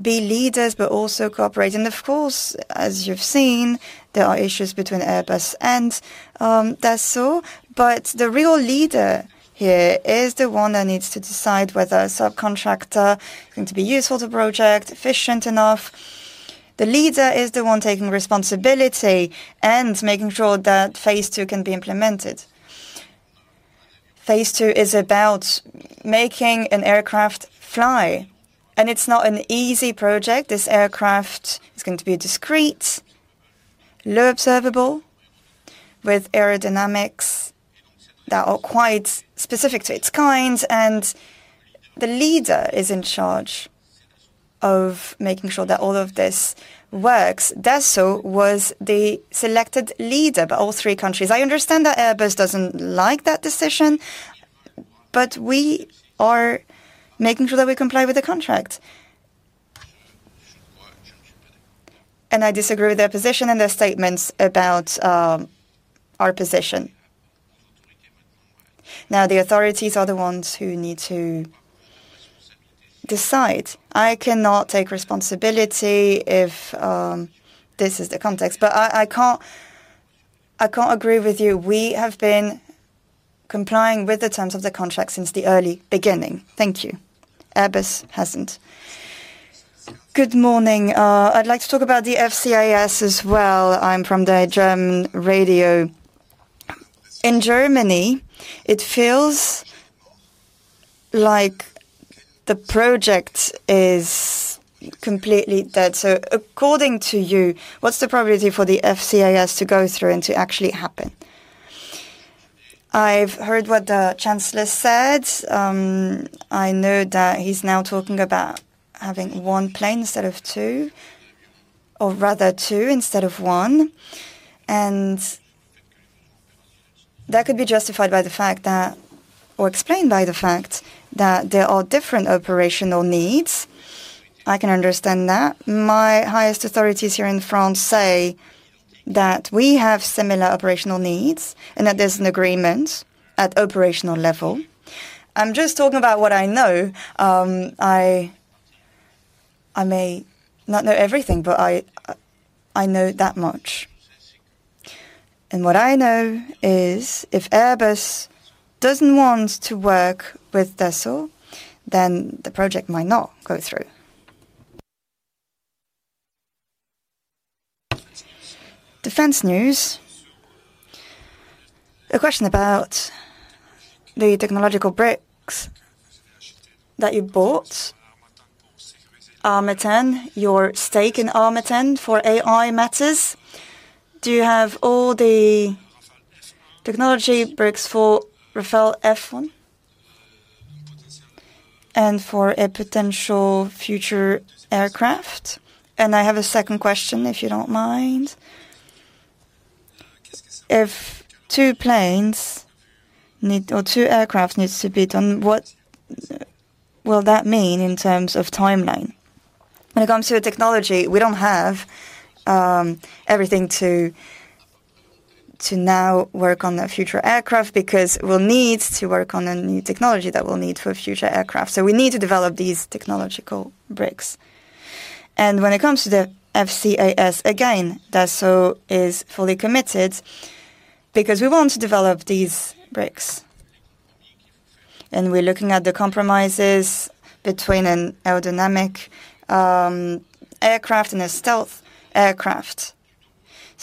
be leaders but also cooperate. Of course, as you've seen, there are issues between Airbus and Dassault, but the real leader here is the one that needs to decide whether a subcontractor is going to be useful to project, efficient enough. The leader is the one taking responsibility and making sure that phase two can be implemented. Phase two is about making an aircraft fly, and it's not an easy project. This aircraft is going to be discreet, low observable with aerodynamics that are quite specific to its kind, and the leader is in charge of making sure that all of this works. Dassault was the selected leader by all three countries. I understand that Airbus doesn't like that decision, but we are making sure that we comply with the contract. I disagree with their position and their statements about our position. The authorities are the ones who need to decide. I cannot take responsibility if this is the context, I can't agree with you. We have been complying with the terms of the contract since the early beginning. Thank you. Airbus hasn't. Good morning. I'd like to talk about the FCAS as well. I'm from the German radio. In Germany, it feels like the project is completely dead. According to you, what's the probability for the FCAS to go through and to actually happen? I've heard what the chancellor said. I know that he's now talking about having one plane instead of two, or rather two instead of one. That could be justified by the fact that, or explained by the fact that there are different operational needs. I can understand that. My highest authorities here in France say that we have similar operational needs and that there's an agreement at operational level. I'm just talking about what I know. I may not know everything, but I know that much. What I know is if Airbus doesn't want to work with Dassault, then the project might not go through. Defense News. A question about the technological bricks that you bought. Armamat, your stake in Armamat for AI matters. Do you have all the technology bricks for Rafale F1 and for a potential future aircraft? I have a second question, if you don't mind. If two aircraft needs to be done, what will that mean in terms of timeline? When it comes to the technology, we don't have everything to now work on the future aircraft because we'll need to work on a new technology that we'll need for future aircraft. We need to develop these technological bricks. When it comes to the FCAS, again, Dassault is fully committed because we want to develop these bricks. We're looking at the compromises between an aerodynamic aircraft and a stealth aircraft.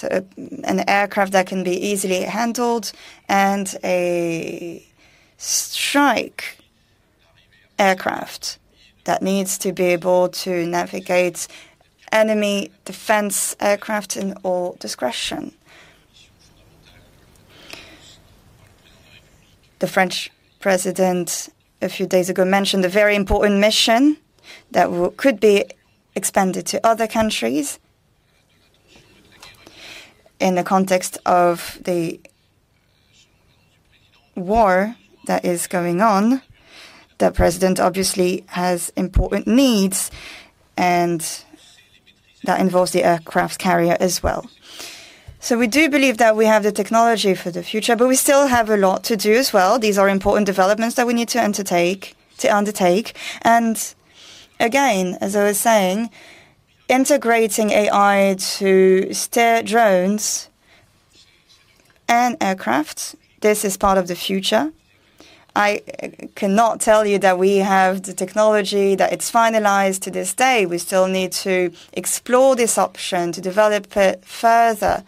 An aircraft that can be easily handled and a strike aircraft that needs to be able to navigate enemy defense aircraft in all discretion. The French president a few days ago mentioned the very important mission that could be expanded to other countries. In the context of the war that is going on, the president obviously has important needs, and that involves the aircraft carrier as well. We do believe that we have the technology for the future, but we still have a lot to do as well. These are important developments that we need to undertake. Again, as I was saying, integrating AI to steer drones and aircraft, this is part of the future. I cannot tell you that we have the technology, that it's finalized to this day. We still need to explore this option to develop it further.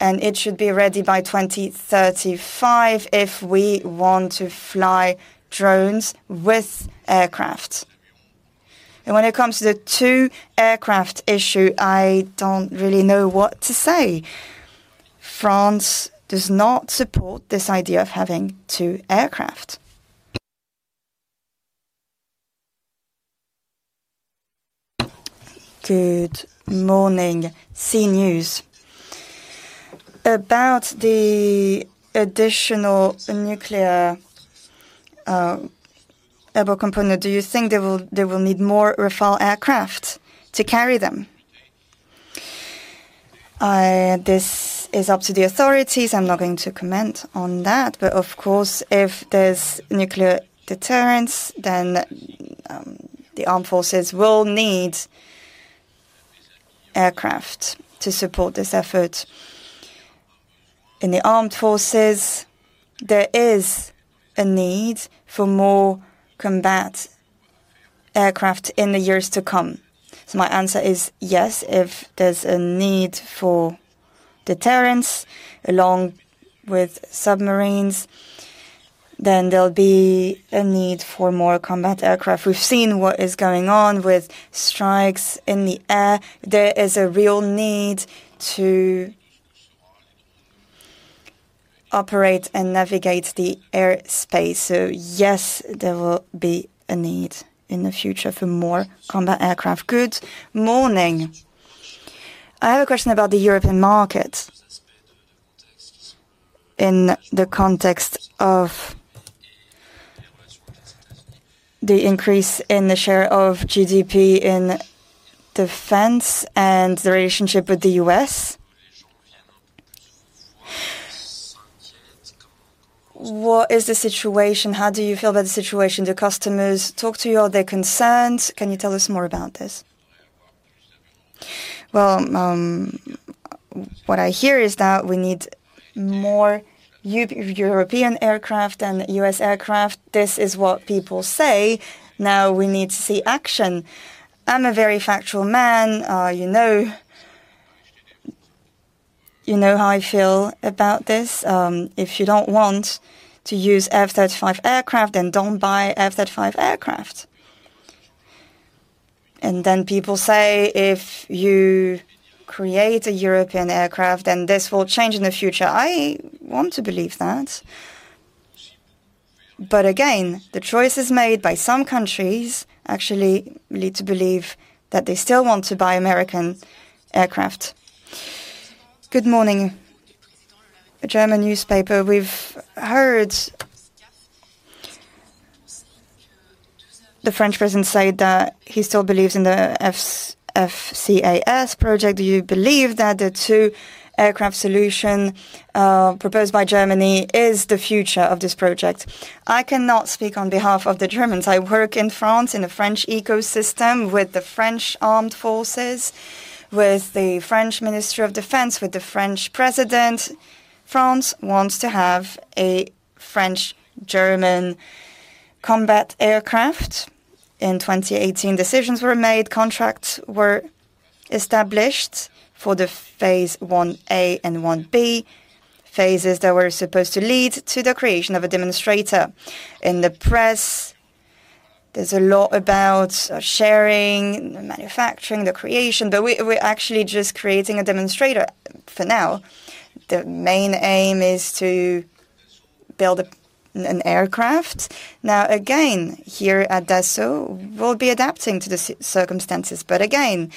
It should be ready by 2035 if we want to fly drones with aircraft. When it comes to the two aircraft issue, I don't really know what to say. France does not support this idea of having two Aircraft. Good morning. CNews. About the additional nuclear airborne component, do you think they will need more Rafale aircraft to carry them? This is up to the authorities. I'm not going to comment on that. Of course, if there's nuclear deterrence, then the armed forces will need aircraft to support this effort. In the armed forces, there is a need for more combat aircraft in the years to come. My answer is yes. If there's a need for deterrence along with submarines, then there'll be a need for more combat aircraft. We've seen what is going on with strikes in the air. There is a real need to operate and navigate the airspace. Yes, there will be a need in the future for more combat aircraft. Good morning. I have a question about the European market. In the context of the increase in the share of GDP in defense and the relationship with the U.S.. What is the situation? How do you feel about the situation? Do customers talk to you? Are they concerned? Can you tell us more about this? Well, what I hear is that we need more European aircraft than U.S. aircraft. This is what people say. Now, we need to see action. I'm a very factual man. you know, you know how I feel about this. If you don't want to use F-35 aircraft, then don't buy F-35 aircraft. People say, "If you create a European aircraft, then this will change in the future." I want to believe that. Again, the choices made by some countries actually lead to believe that they still want to buy American aircraft. Good morning. A German newspaper. We've heard the French president say that he still believes in the FCAS project. Do you believe that the two aircraft solution, proposed by Germany is the future of this project? I cannot speak on behalf of the Germans. I work in France in a French ecosystem with the French armed forces, with the French Ministry of Defense, with the French president. France wants to have a French-German combat aircraft. In 2018 decisions were made, contracts were established for the phase lA and lB, phases that were supposed to lead to the creation of a demonstrator. In the press, there's a lot about sharing, the manufacturing, the creation, but we're actually just creating a demonstrator for now. The main aim is to build an aircraft. Again, here at Dassault, we'll be adapting to the circumstances. Again,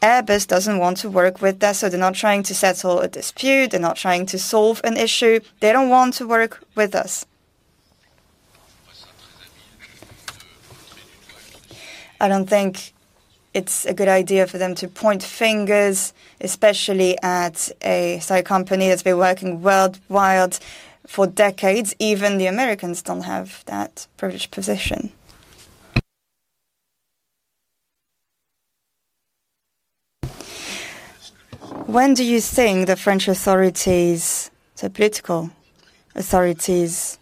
Airbus doesn't want to work with us, so they're not trying to settle a dispute. They're not trying to solve an issue. They don't want to work with us. I don't think it's a good idea for them to point fingers, especially at a site company that's been working worldwide for decades. Even the Americans don't have that privileged position. When do you think the French authorities, the political authorities,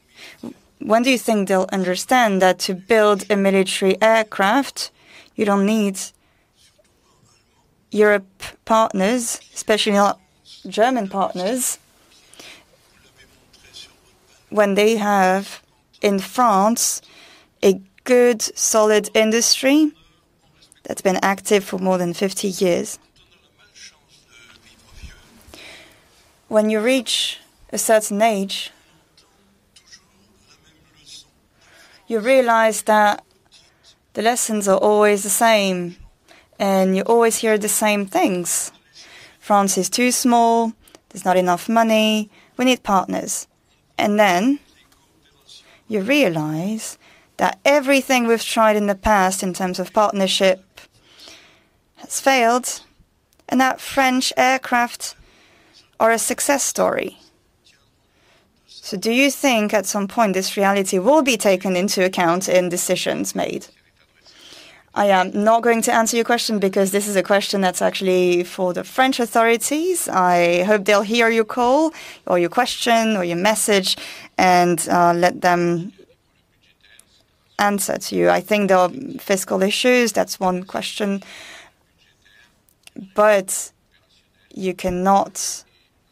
when do you think they'll understand that to build a military aircraft, you don't need Europe partners, especially not German partners, when they have in France a good, solid industry that's been active for more than 50 years? When you reach a certain age, you realize that the lessons are always the same and you always hear the same things. France is too small. There's not enough money. We need partners. You realize that everything we've tried in the past in terms of partnership has failed and that French aircraft are a success story. Do you think at some point this reality will be taken into account in decisions made? I am not going to answer your question because this is a question that's actually for the French authorities. I hope they'll hear your call or your question or your message and let them answer to you. I think there are fiscal issues. That's one question. You cannot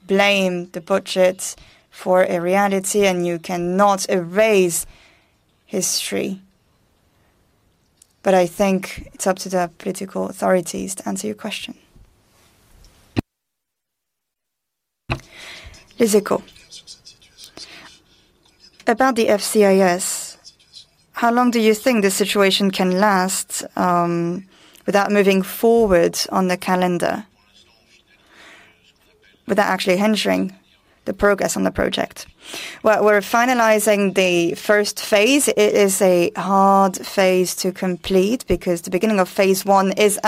blame the budget for a reality, and you cannot erase history. I think it's up to the political authorities to answer your question. Physical. About the FCAS, how long do you think this situation can last without moving forward on the calendar? Without actually answering the progress on the project. Well, we're finalizing the first phase. It is a hard phase to complete because the beginning of phase one is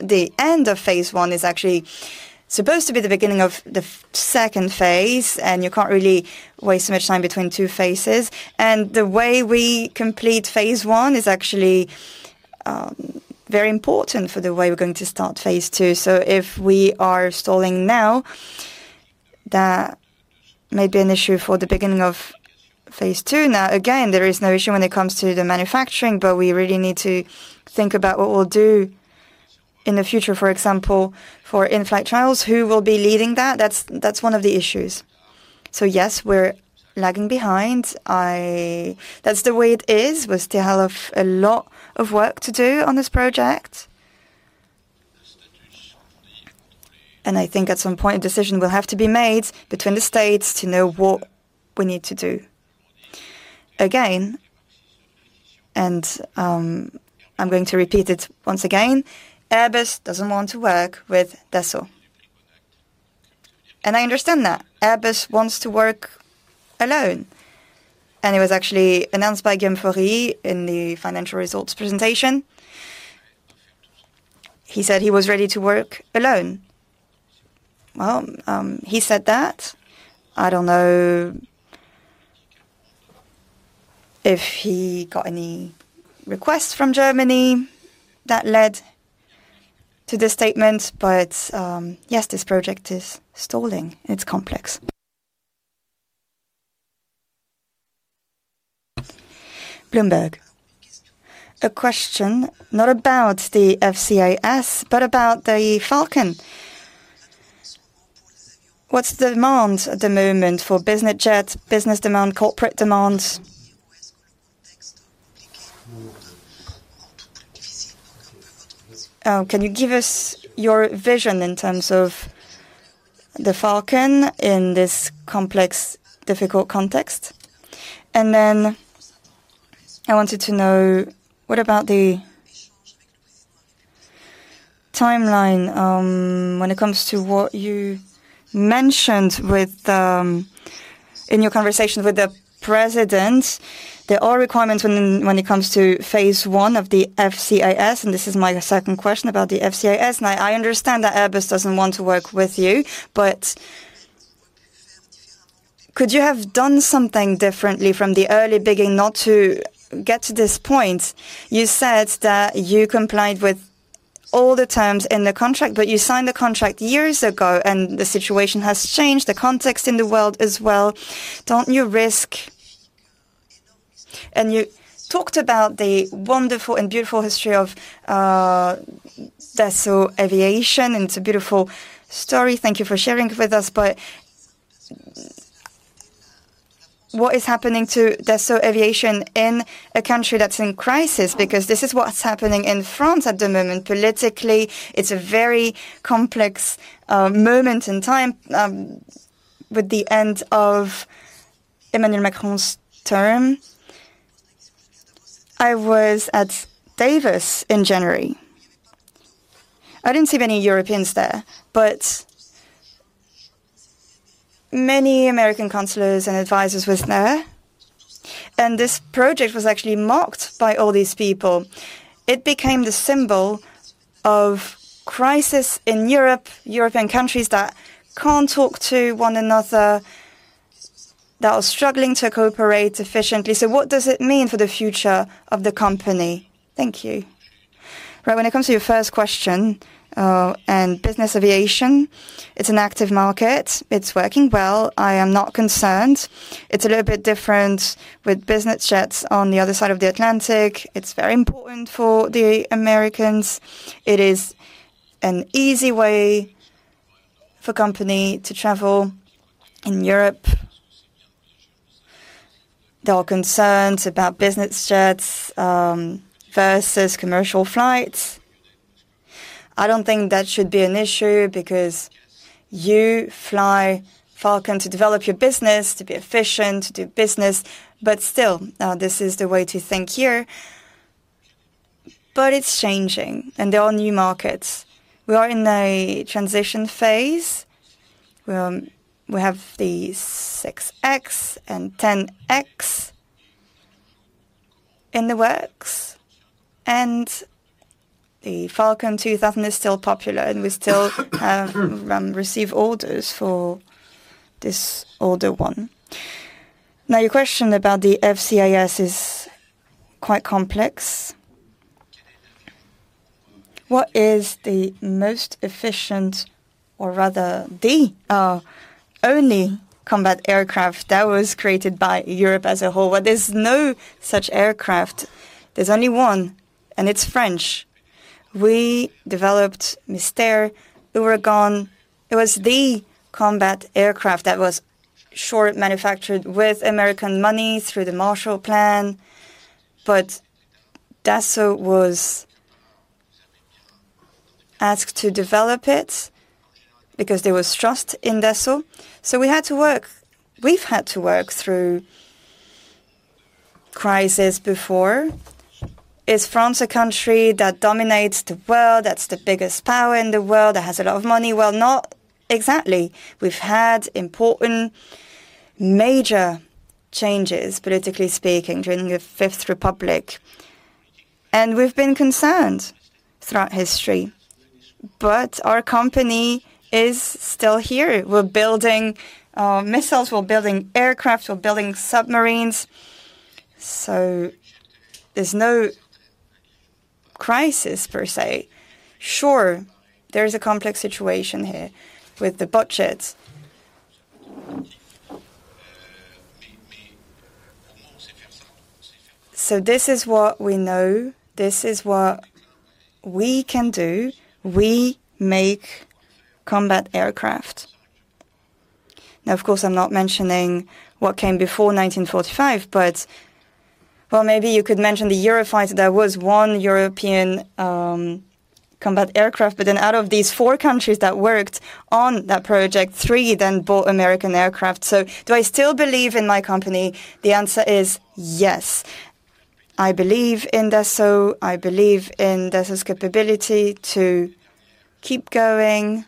the end of phase one is actually supposed to be the beginning of the second phase. You can't really waste much time between two phases. The way we complete phase one is actually very important for the way we're going to start phase ll. If we are stalling now, that may be an issue for the beginning of phase two. Again, there is no issue when it comes to the manufacturing, but we really need to think about what we'll do in the future, for example, for in-flight trials. Who will be leading that? That's one of the issues. Yes, we're lagging behind. That's the way it is. We still have a lot of work to do on this project. I think at some point, a decision will have to be made between the states to know what we need to do. Again, I'm going to repeat it once again, Airbus doesn't want to work with Dassault. I understand that. Airbus wants to work alone. It was actually announced by Guillaume Faury in the financial results presentation. He said he was ready to work alone. Well, he said that. I don't know if he got any requests from Germany that led to this statement, but, yes, this project is stalling. It's complex. Bloomberg. A question not about the FCAS, but about the Falcon. What's the demand at the moment for business jets, business demand, corporate demand? Can you give us your vision in terms of the Falcon in this complex, difficult context? I wanted to know, what about the timeline, when it comes to what you mentioned with, in your conversation with the President? There are requirements when it comes to phase one of the FCAS, this is my second question about the FCAS. I understand that Airbus doesn't want to work with you, could you have done something differently from the early beginning not to get to this point? You said that you complied with all the terms in the contract, you signed the contract years ago the situation has changed, the context in the world as well. You talked about the wonderful and beautiful history of Dassault Aviation, it's a beautiful story. Thank you for sharing it with us. What is happening to Dassault Aviation in a country that's in crisis? This is what's happening in France at the moment. Politically, it's a very complex moment in time with the end of Emmanuel Macron's term. I was at Davos in January. I didn't see many Europeans there, but many American counselors and advisors was there. This project was actually mocked by all these people. It became the symbol of crisis in Europe, European countries that can't talk to one another, that are struggling to cooperate efficiently. What does it mean for the future of the company? Thank you. When it comes to your first question and business aviation, it's an active market. It's working well. I am not concerned. It's a little bit different with business jets on the other side of the Atlantic. It's very important for the Americans. It is an easy way for company to travel in Europe. There are concerns about business jets versus commercial flights. I don't think that should be an issue because you fly Falcon to develop your business, to be efficient, to do business. Still, this is the way to think here. It's changing and there are new markets. We are in a transition phase, where we have the 6X and 10X in the works, and the Falcon 2000 is still popular, and we still receive orders for this older one. Your question about the FCAS is quite complex. What is the most efficient, or rather the only combat aircraft that was created by Europe as a whole? There's no such aircraft. There's only one, and it's French. We developed Mystère, Ouragan. It was the combat aircraft that was short manufactured with American money through the Marshall Plan. Dassault was asked to develop it because there was trust in Dassault. We've had to work through crisis before. Is France a country that dominates the world, that's the biggest power in the world, that has a lot of money? Not exactly. We've had important major changes, politically speaking, during the Fifth Republic, and we've been concerned throughout history. Our company is still here. We're building missiles, we're building aircraft, we're building submarines. There's no crisis per se. Sure, there's a complex situation here with the budgets. This is what we know. This is what we can do. We make combat aircraft. Now, of course, I'm not mentioning what came before 1945, but... Maybe you could mention the Eurofighter. There was one European combat aircraft. Out of these four countries that worked on that project, three then bought American aircraft. Do I still believe in my company? The answer is yes. I believe in Dassault. I believe in Dassault's capability to keep going,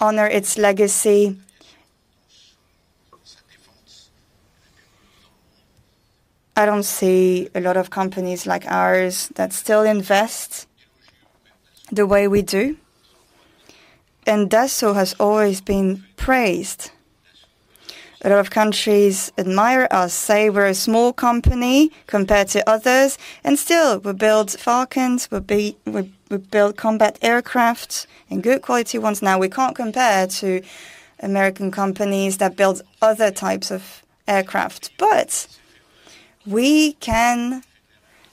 honor its legacy. I don't see a lot of companies like ours that still invest the way we do. Dassault has always been praised. A lot of countries admire us, say we're a small company compared to others, and still we build Falcons, we build combat aircraft and good quality ones. We can't compare to American companies that build other types of aircraft, but we can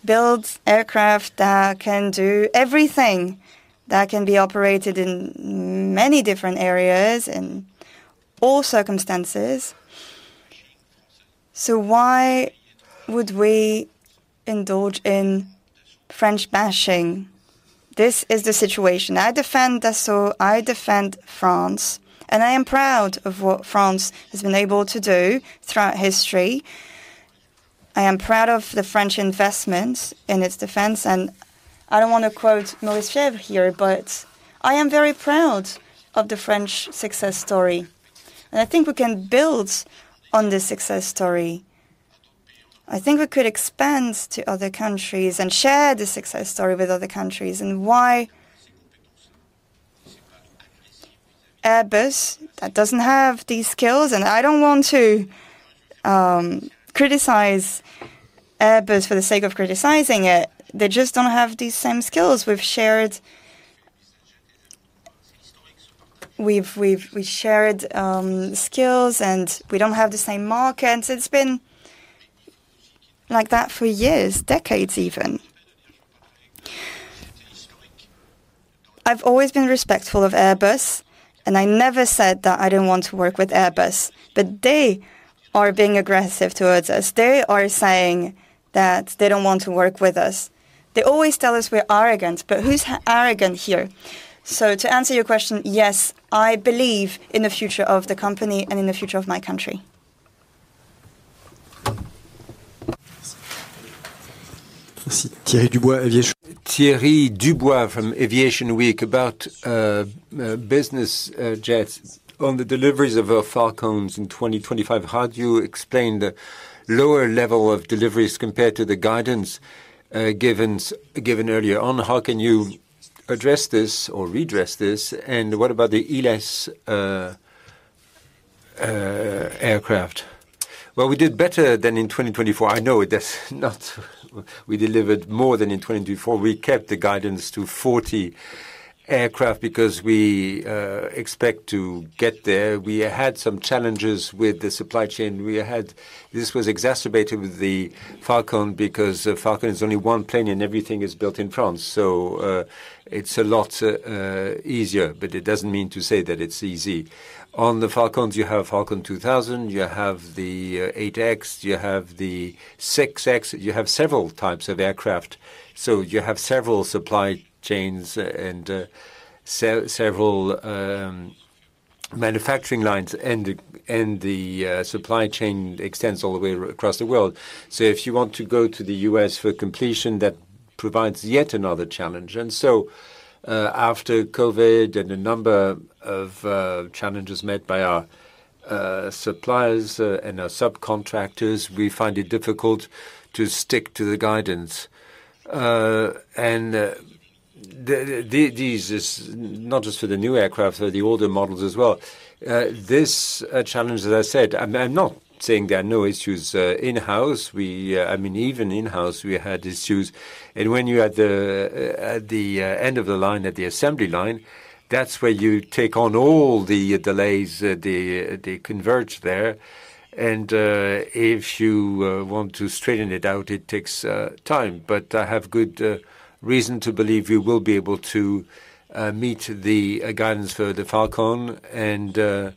build aircraft that can do everything, that can be operated in many different areas, in all circumstances. Why would we indulge in French bashing? This is the situation. I defend Dassault, I defend France, and I am proud of what France has been able to do throughout history. I am proud of the French investment in its defense, and I don't want to quote Maurice Lévy here, but I am very proud of the French success story, and I think we can build on this success story. I think we could expand to other countries and share this success story with other countries. Why Airbus that doesn't have these skills, and I don't want to criticize Airbus for the sake of criticizing it. They just don't have these same skills. We've shared skills, and we don't have the same market. It's been like that for years, decades even. I've always been respectful of Airbus, and I never said that I don't want to work with Airbus, but they are being aggressive towards us. They are saying that they don't want to work with us. They always tell us we're arrogant, but who's arrogant here? To answer your question, yes, I believe in the future of the company and in the future of my country. Thierry Dubois from Aviation Week about business jets. On the deliveries of Falcons in 2025, how do you explain the lower level of deliveries compared to the guidance given earlier on? How can you address this or redress this? What about the ELS aircraft? We did better than in 2024. I know that's not. We delivered more than in 2024. We kept the guidance to 40 aircraft because we expect to get there. We had some challenges with the supply chain. This was exacerbated with the Falcon because Falcon is only 1 plane and everything is built in France. it's a lot easier, but it doesn't mean to say that it's easy. On the Falcons, you have Falcon 2000, you have the 8X, you have the 6X, you have several types of aircraft. You have several supply chains and several manufacturing lines and the supply chain extends all the way across the world. If you want to go to the U.S. for completion, that provides yet another challenge. After COVID and a number of challenges met by our suppliers and our subcontractors, we find it difficult to stick to the guidance. This is not just for the new aircraft, for the older models as well. This challenge, as I said, I'm not saying there are no issues in-house. We, I mean, even in-house, we had issues. When you're at the end of the line, at the assembly line, that's where you take on all the delays, they converge there. If you want to straighten it out, it takes time. I have good reason to believe we will be able to meet the guidance for the Falcon and...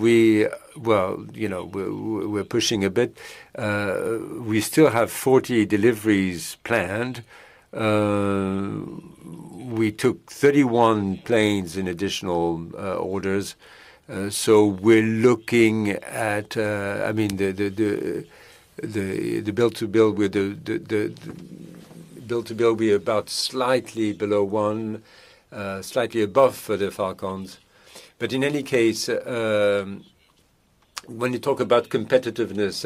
We, well, you know, we're pushing a bit. We still have 40 deliveries planned. We took 31 planes in additional orders. We're looking at... I mean, the build to build with the build to build will be about slightly below one, slightly above for the Falcons. In any case, when you talk about competitiveness,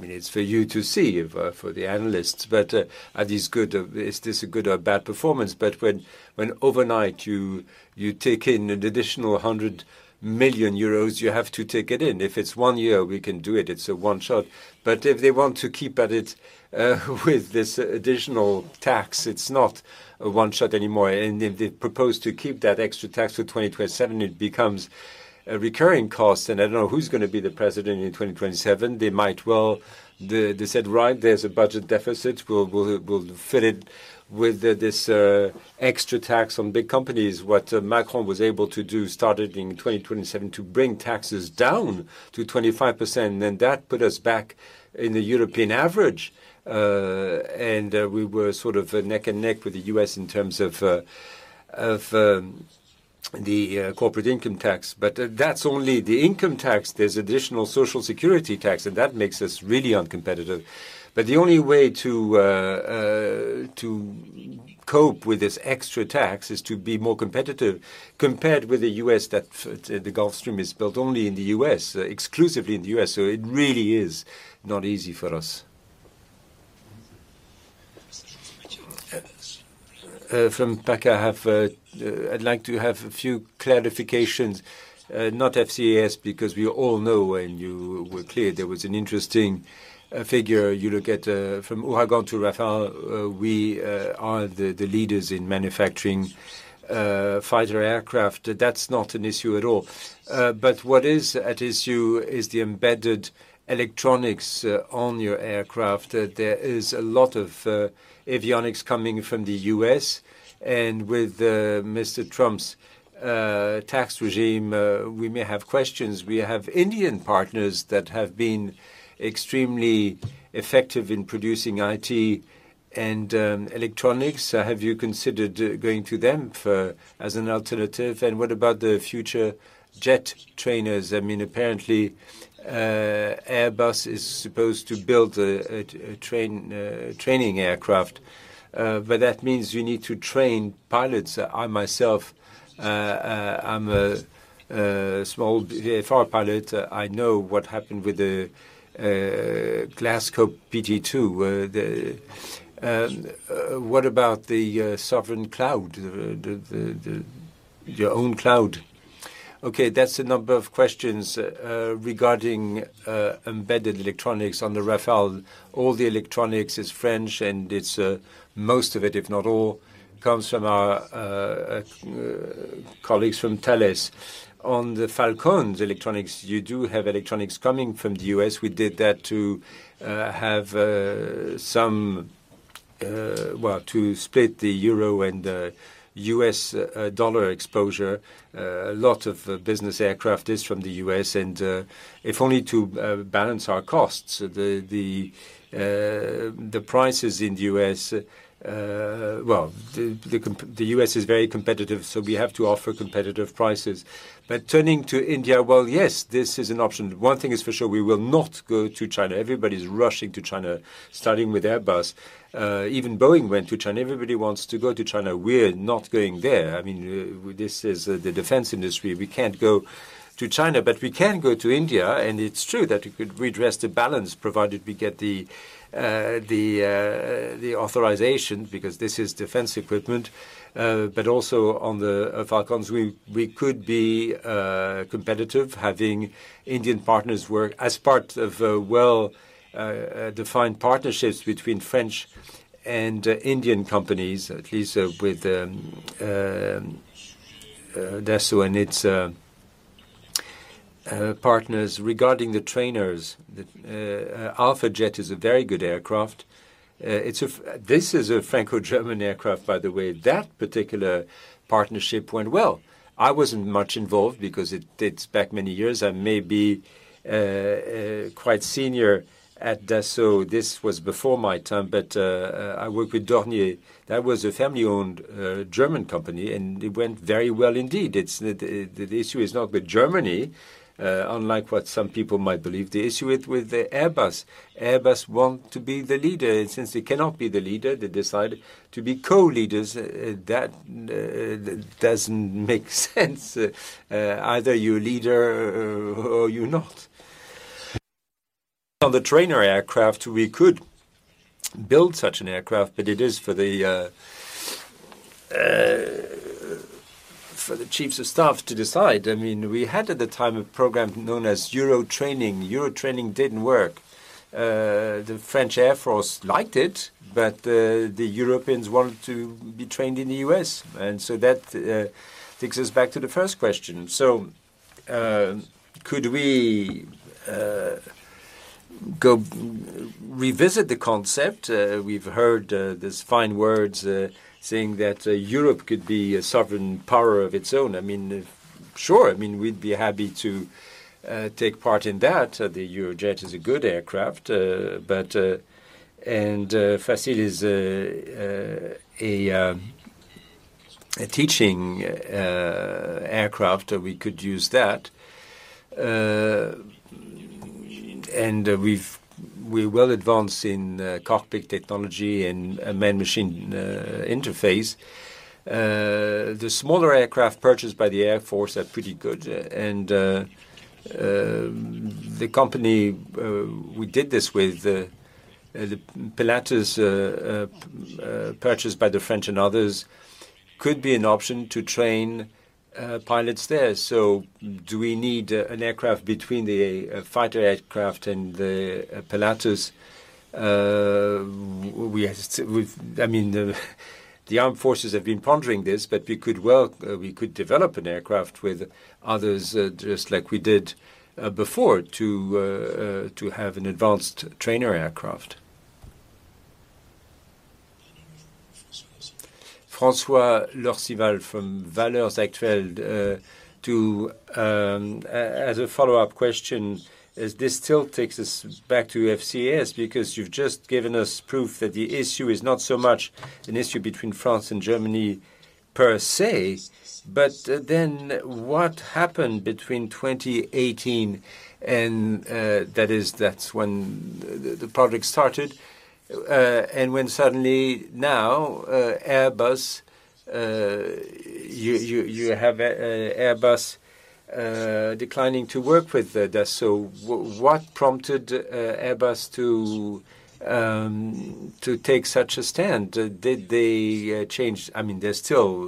it's for you to see if for the analysts, are these good or is this a good or bad performance? When overnight you take in an additional 100 million euros, you have to take it in. If it's 1 year, we can do it's a one-shot. If they want to keep at it with this additional tax, it's not a one-shot anymore. If they propose to keep that extra tax for 2027, it becomes a recurring cost. I don't know who's gonna be the president in 2027. They said, "Right, there's a budget deficit. We'll fill it with this extra tax on big companies." What Macron was able to do started in 2027 to bring taxes down to 25%. That put us back in the European average. We were sort of neck and neck with the U.S. in terms of the corporate income tax. That's only the income tax. There's additional Social Security tax, and that makes us really uncompetitive. The only way to cope with this extra tax is to be more competitive compared with the U.S. that the Gulfstream is built only in the U.S., exclusively in the U.S., so it really is not easy for us. From PACA, I have, I'd like to have a few clarifications, not FCAS because we all know, and you were clear, there was an interesting figure you look at, from Hawk on to Rafale. We are the leaders in manufacturing fighter aircraft. That's not an issue at all. But what is at issue is the embedded electronics on your aircraft. There is a lot of avionics coming from the U.S. and with Mr. Trump's tax regime, we may have questions. We have Indian partners that have been extremely effective in producing IT and electronics. Have you considered going to them for as an alternative? And what about the future jet trainers? I mean, apparently, Airbus is supposed to build a training aircraft. That means you need to train pilots. I myself, I'm a small FA pilot. I know what happened with the Glasgow PG2. What about the sovereign cloud, your own cloud. Okay, that's a number of questions regarding embedded electronics on the Rafale. All the electronics is French. It's most of it, if not all, comes from our colleagues from Thales. On the Falcons electronics, you do have electronics coming from the U.S. We did that to have, well, to split the euro and U.S. dollar exposure. A lot of business aircraft is from the U.S. if only to balance our costs. The prices in the U.S., well, the U.S. is very competitive, so we have to offer competitive prices. Turning to India, well, yes, this is an option. One thing is for sure, we will not go to China. Everybody's rushing to China, starting with Airbus. Even Boeing went to China. Everybody wants to go to China. We're not going there. I mean, this is the defense industry. We can't go to China, but we can go to India, and it's true that it could redress the balance provided we get the authorization because this is defense equipment. Also on the Falcons, we could be competitive having Indian partners work as part of a well-defined partnerships between French and Indian companies, at least with Dassault and its partners. Regarding the trainers, the Alpha Jet is a very good aircraft. This is a Franco-German aircraft, by the way. That particular partnership went well. I wasn't much involved because it dates back many years. I may be quite senior at Dassault. This was before my time, but I worked with Dornier. That was a family-owned German company, and it went very well indeed. It's the issue is not with Germany, unlike what some people might believe. The issue with the Airbus. Airbus want to be the leader. Since they cannot be the leader, they decide to be co-leaders. That doesn't make sense. Either you're a leader or you're not. On the trainer aircraft, we could build such an aircraft. It is for the chiefs of staff to decide. I mean, we had at the time a program known as Eurotraining. Eurotraining didn't work. The French Air Force liked it, but the Europeans wanted to be trained in the U.S. That takes us back to the first question. Could we go revisit the concept? We've heard these fine words saying that Europe could be a sovereign power of its own. I mean, if-Sure. I mean, we'd be happy to take part in that. The Eurojet is a good aircraft. Facil is a teaching aircraft, we could use that. We're well advanced in cockpit technology and man-machine interface. The smaller aircraft purchased by the Air Force are pretty good, and the company we did this with, the Pilatus purchased by the French and others, could be an option to train pilots there. Do we need an aircraft between the fighter aircraft and the Pilatus? I mean, the armed forces have been pondering this, but we could work, we could develop an aircraft with others, just like we did before to have an advanced trainer aircraft. François d'Orcival from Valeurs Actuelles. As a follow-up question, this still takes us back to FCAS because you've just given us proof that the issue is not so much an issue between France and Germany per se, what happened between 2018 and that's when the project started, and when suddenly now Airbus, you have Airbus declining to work with Dassault. What prompted Airbus to take such a stand? Did they change? I mean, they're still,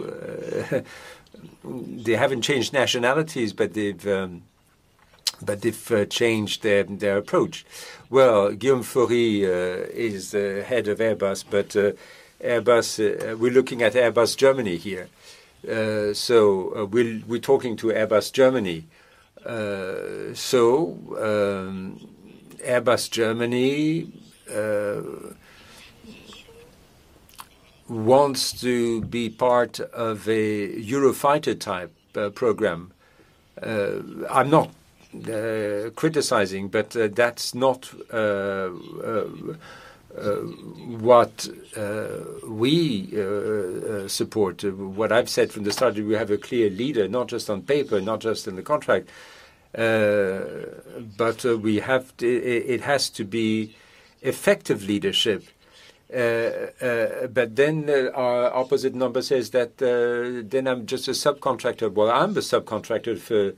they haven't changed nationalities, they've changed their approach. Well, Guillaume Faury is the head of Airbus, we're looking at Airbus Germany here. We're talking to Airbus Germany. Airbus Germany wants to be part of a Eurofighter type program. I'm not criticizing, that's not what we support. What I've said from the start, we have a clear leader, not just on paper, not just in the contract, it has to be effective leadership. Our opposite number says that then I'm just a subcontractor. I'm the subcontractor for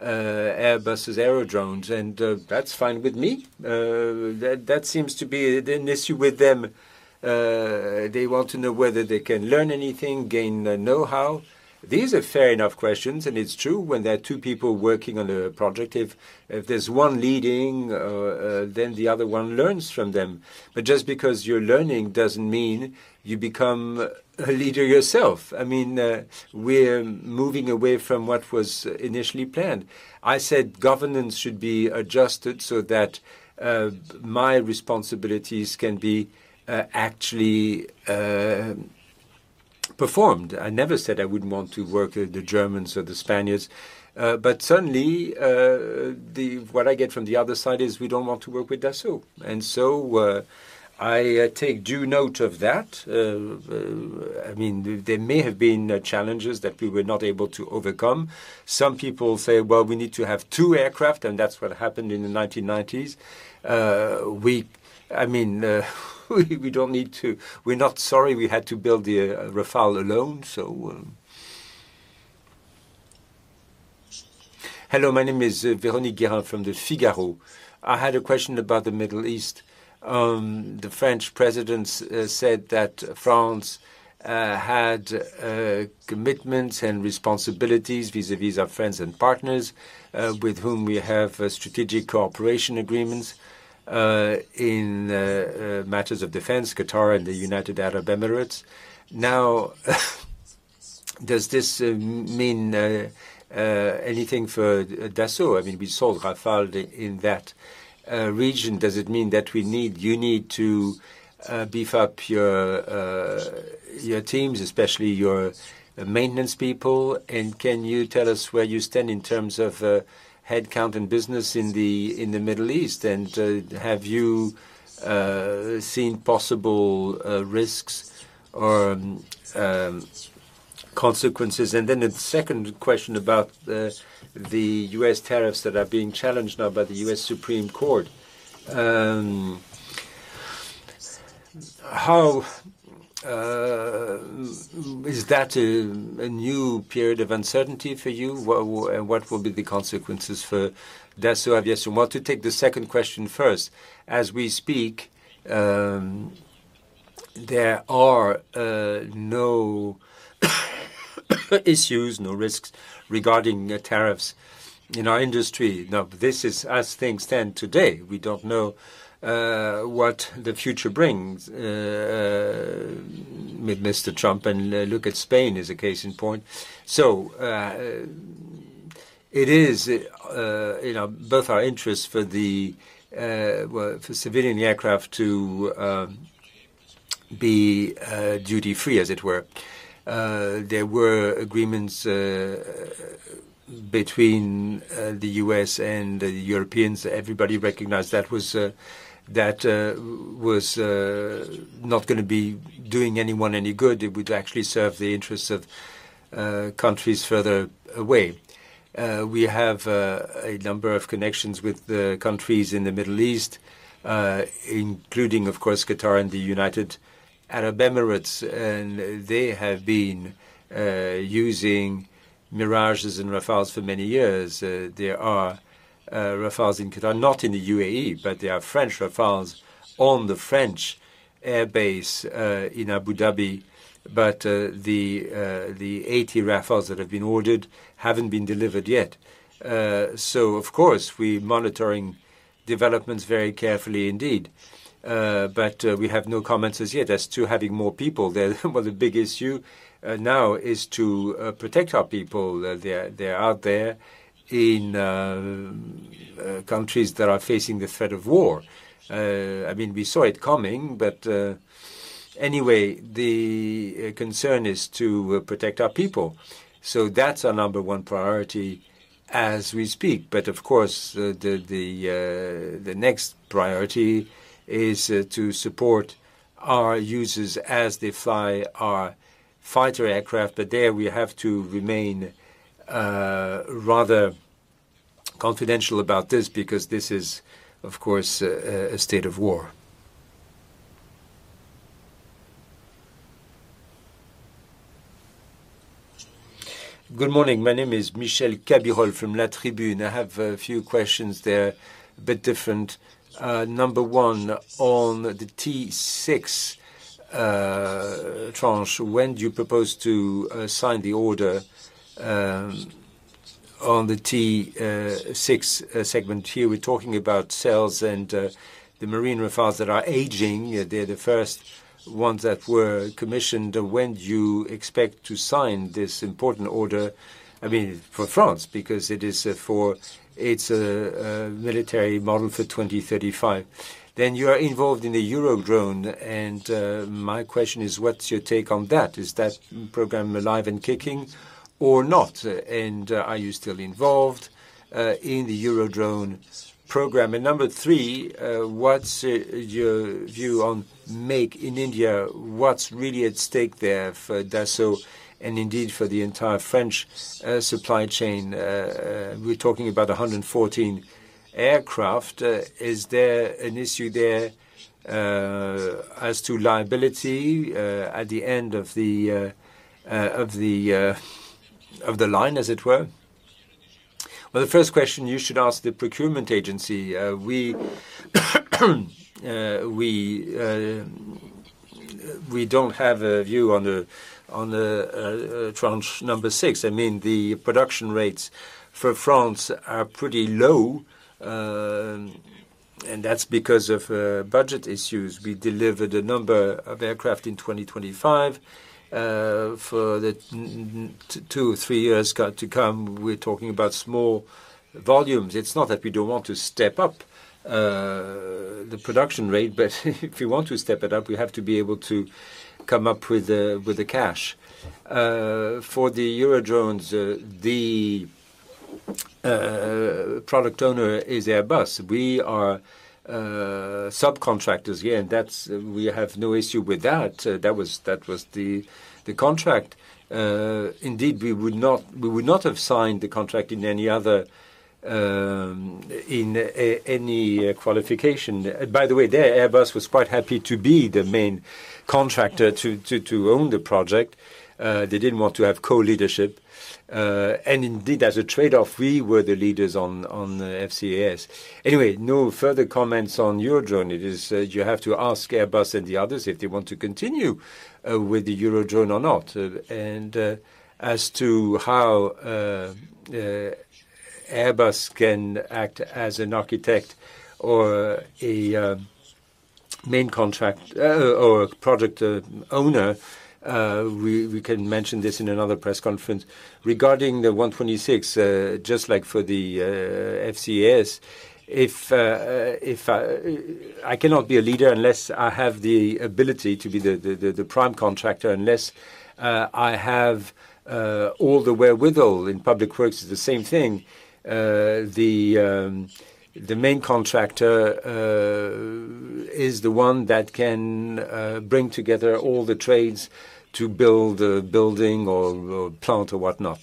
Airbus' Eurodrone, that's fine with me. That seems to be an issue with them. They want to know whether they can learn anything, gain know-how. These are fair enough questions, it's true when there are two people working on a project, if there's one leading, then the other one learns from them. Just because you're learning doesn't mean you become a leader yourself. I mean, we're moving away from what was initially planned. I said governance should be adjusted so that my responsibilities can be actually performed. I never said I wouldn't want to work with the Germans or the Spaniards. Suddenly, what I get from the other side is, "We don't want to work with Dassault." I take due note of that. I mean, there may have been challenges that we were not able to overcome. Some people say, "Well, we need to have two aircraft," and that's what happened in the 1990s. I mean, we don't need to. We're not sorry we had to build the Rafale alone, so. Hello, my name is Véronique Guillermard from Le Figaro. I had a question about the Middle East. The French president said that France had commitments and responsibilities vis-à-vis our friends and partners, with whom we have strategic cooperation agreements, in matters of defense, Qatar and the United Arab Emirates. Does this mean anything for Dassault? I mean, we sold Rafale in that region. Does it mean that you need to beef up your teams, especially your maintenance people? Can you tell us where you stand in terms of headcount and business in the Middle East? Have you seen possible risks or consequences? The second question about the U.S. tariffs that are being challenged now by the U.S. Supreme Court. How is that a new period of uncertainty for you? What, and what will be the consequences for Dassault Aviation? Well, to take the second question first. As we speak, there are no issues, no risks regarding the tariffs in our industry. This is as things stand today. We don't know what the future brings with Mr. Trump, and look at Spain as a case in point. it is, you know, both our interests for the well, for civilian aircraft to be duty free as it were. There were agreements between the U.S. and the Europeans. Everybody recognized that was that was not gonna be doing anyone any good. It would actually serve the interests of countries further away. We have a number of connections with the countries in the Middle East, including of course Qatar and the United Arab Emirates. They have been using Mirages and Rafales for many years. There are Rafales in Qatar, not in the UAE. There are French Rafales on the French air base in Abu Dhabi. The 80 Rafales that have been ordered haven't been delivered yet. Of course we're monitoring developments very carefully indeed. We have no comments as yet as to having more people there. The big issue now is to protect our people. They are out there in countries that are facing the threat of war. I mean, we saw it coming, but anyway, the concern is to protect our people. That's our number one priority as we speak. Of course, the next priority is to support our users as they fly our fighter aircraft, but there we have to remain rather confidential about this because this is, of course, a state of war. Good morning. My name is Michel Cabirol from La Tribune. I have a few questions. They're a bit different. number one, on the T-6 tranche, when do you propose to sign the order on the T6 segment? Here we're talking about cells and the marine Rafales that are aging. They're the first ones that were commissioned. When do you expect to sign this important order? I mean, for France because it is, it's a military model for 2035. You are involved in the Eurodrone and my question is, what's your take on that? Is that program alive and kicking or not? Are you still involved in the Eurodrone program? Number three, what's your view on Make in India? What's really at stake there for Dassault and indeed for the entire French supply chain? We're talking about 11four aircraft. Is there an issue there as to liability at the end of the line as it were? Well, the first question you should ask the procurement agency. We don't have a view on the tranche number six. I mean, the production rates for France are pretty low, and that's because of budget issues. We delivered a number of aircraft in 2025. For the two, three years to come, we're talking about small volumes. It's not that we don't want to step up the production rate, but if we want to step it up, we have to be able to come up with the cash. For the Eurodrones, the product owner is Airbus. We are subcontractors here, and we have no issue with that. That was the contract. Indeed, we would not have signed the contract in any other qualification. By the way, there Airbus was quite happy to be the main contractor to own the project. They didn't want to have co-leadership. And indeed as a trade-off, we were the leaders on the FCAS. Anyway, no further comments on Eurodrone. It is, you have to ask Airbus and the others if they want to continue with the Eurodrone or not. And as to how Airbus can act as an architect or a main contractor or a product owner, we can mention this in another press conference. Regarding the 126, just like for the FCAS, if I cannot be a leader unless I have the ability to be the prime contractor, unless I have all the wherewithal. In public works, it's the same thing. The main contractor is the one that can bring together all the trades to build a building or plant or whatnot.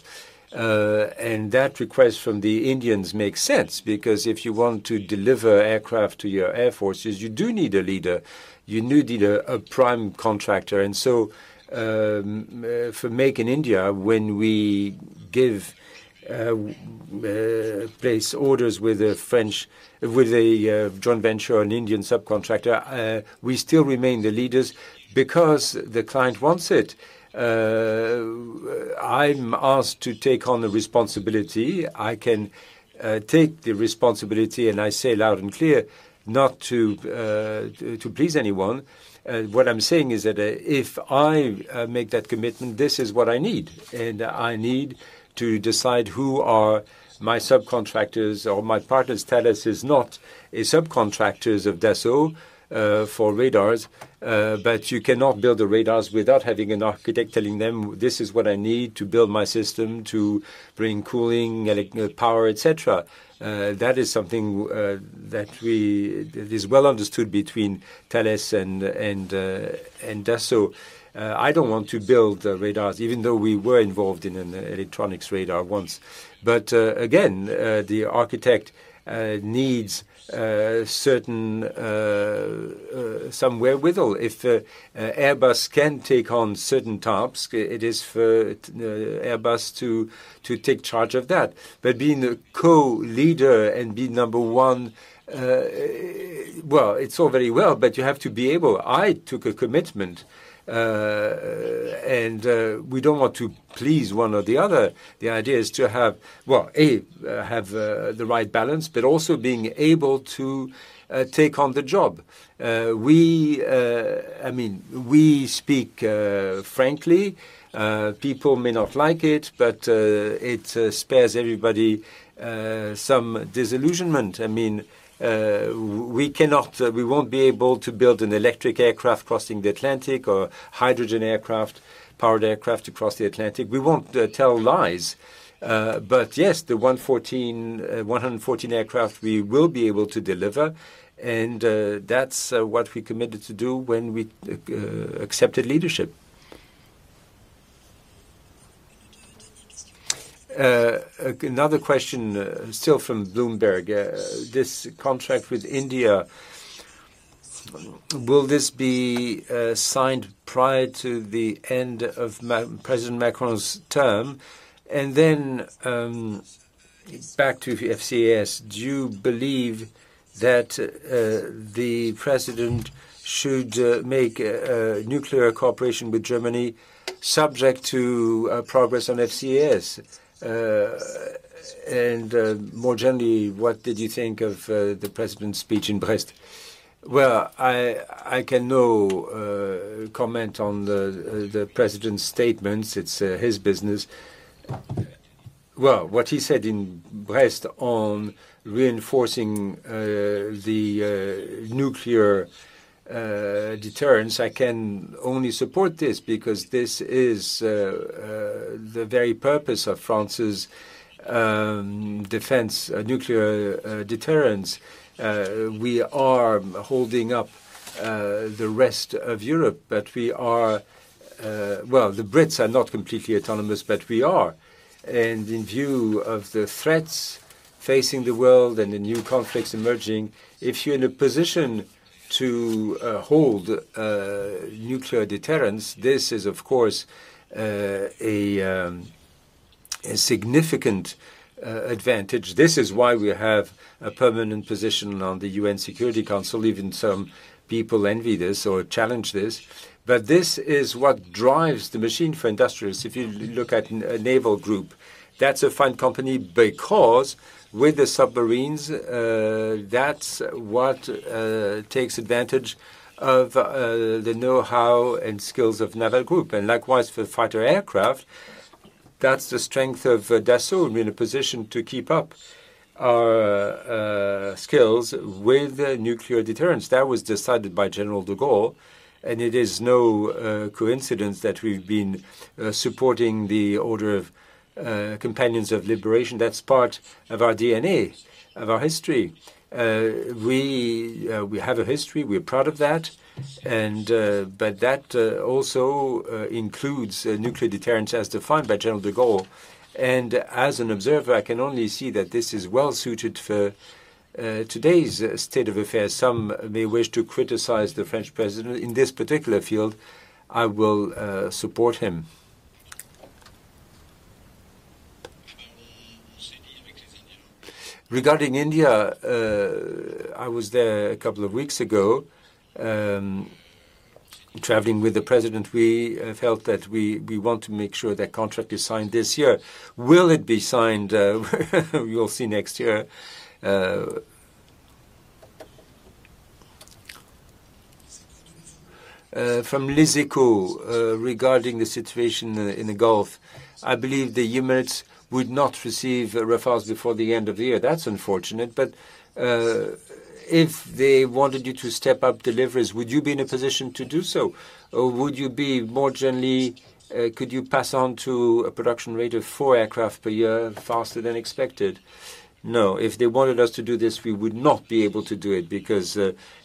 That request from the Indians makes sense because if you want to deliver aircraft to your air forces, you do need a leader. You do need a prime contractor. For Make in India, when we place orders with the French with a joint venture, an Indian subcontractor. We still remain the leaders because the client wants it. I'm asked to take on the responsibility. I can take the responsibility, and I say loud and clear, not to please anyone. What I'm saying is that, if I make that commitment, this is what I need, and I need to decide who are my subcontractors or my partners. Thales is not a subcontractors of Dassault, for radars, but you cannot build the radars without having an architect telling them, "This is what I need to build my system to bring cooling, power, etc.." That is something that is well understood between Thales and Dassault. I don't want to build the radars even though we were involved in an electronics radar once. Again, the architect needs certain some wherewithal. If Airbus can take on certain tasks, it is for Airbus to take charge of that. Being a co-leader and being number one, well, it's all very well, but you have to be able. I took a commitment, and we don't want to please one or the other. The idea is to have, well, have the right balance, but also being able to take on the job. We, I mean, we speak frankly. People may not like it, but it spares everybody some disillusionment. I mean, we cannot, we won't be able to build an electric aircraft crossing the Atlantic or hydrogen aircraft, powered aircraft across the Atlantic. We won't tell lies. Yes, the 11four aircraft we will be able to deliver, and that's what we committed to do when we accepted leadership. Another question, still from Bloomberg. This contract with India, will this be signed prior to the end of President Macron's term? Back to FCAS, do you believe that the president should make nuclear cooperation with Germany subject to progress on FCAS? More generally, what did you think of the president's speech in Brest? I can no comment on the president's statements. It's his business. What he said in Brest on reinforcing the nuclear deterrence, I can only support this because this is the very purpose of France's defense, nuclear deterrence. We are holding up the rest of Europe, but we are... The Brits are not completely autonomous, but we are. In view of the threats facing the world and the new conflicts emerging, if you're in a position to hold nuclear deterrence, this is of course a significant advantage. This is why we have a permanent position on the UN Security Council. Even some people envy this or challenge this. This is what drives the machine for industries. If you look at a Naval Group, that's a fine company because with the submarines, that's what takes advantage of the know-how and skills of Naval Group. Likewise for fighter aircraft, that's the strength of Dassault. I mean, a position to keep up our skills with nuclear deterrence. That was decided by General de Gaulle, and it is no coincidence that we've been supporting the Order of Companions of Liberation. That's part of our DNA, of our history. We have a history. We're proud of that. But that also includes nuclear deterrence as defined by General de Gaulle. As an observer, I can only see that this is well-suited for today's state of affairs. Some may wish to criticize the French president. In this particular field, I will support him. Regarding India, I was there a couple of weeks ago, traveling with the president. We felt that we want to make sure that contract is signed this year. Will it be signed? We'll see next year. From Les Echos, regarding the situation in the Gulf. I believe the Emirates would not receive Rafales before the end of the year. That's unfortunate, but, if they wanted you to step up deliveries, would you be in a position to do so? Or would you be more generally, could you pass on to a production rate of four aircraft per year faster than expected? No. If they wanted us to do this, we would not be able to do it because,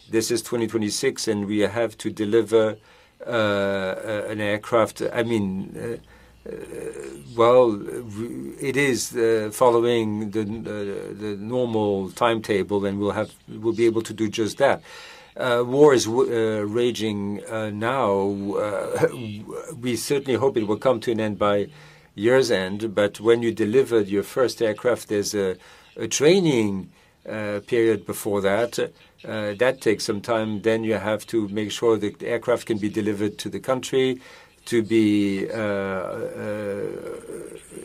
this is 2026, and we have to deliver an aircraft. I mean, well, it is following the normal timetable, then we'll be able to do just that. War is raging now. We certainly hope it will come to an end by year's end. When you deliver your first aircraft, there's a training period before that. That takes some time. You have to make sure the aircraft can be delivered to the country. To be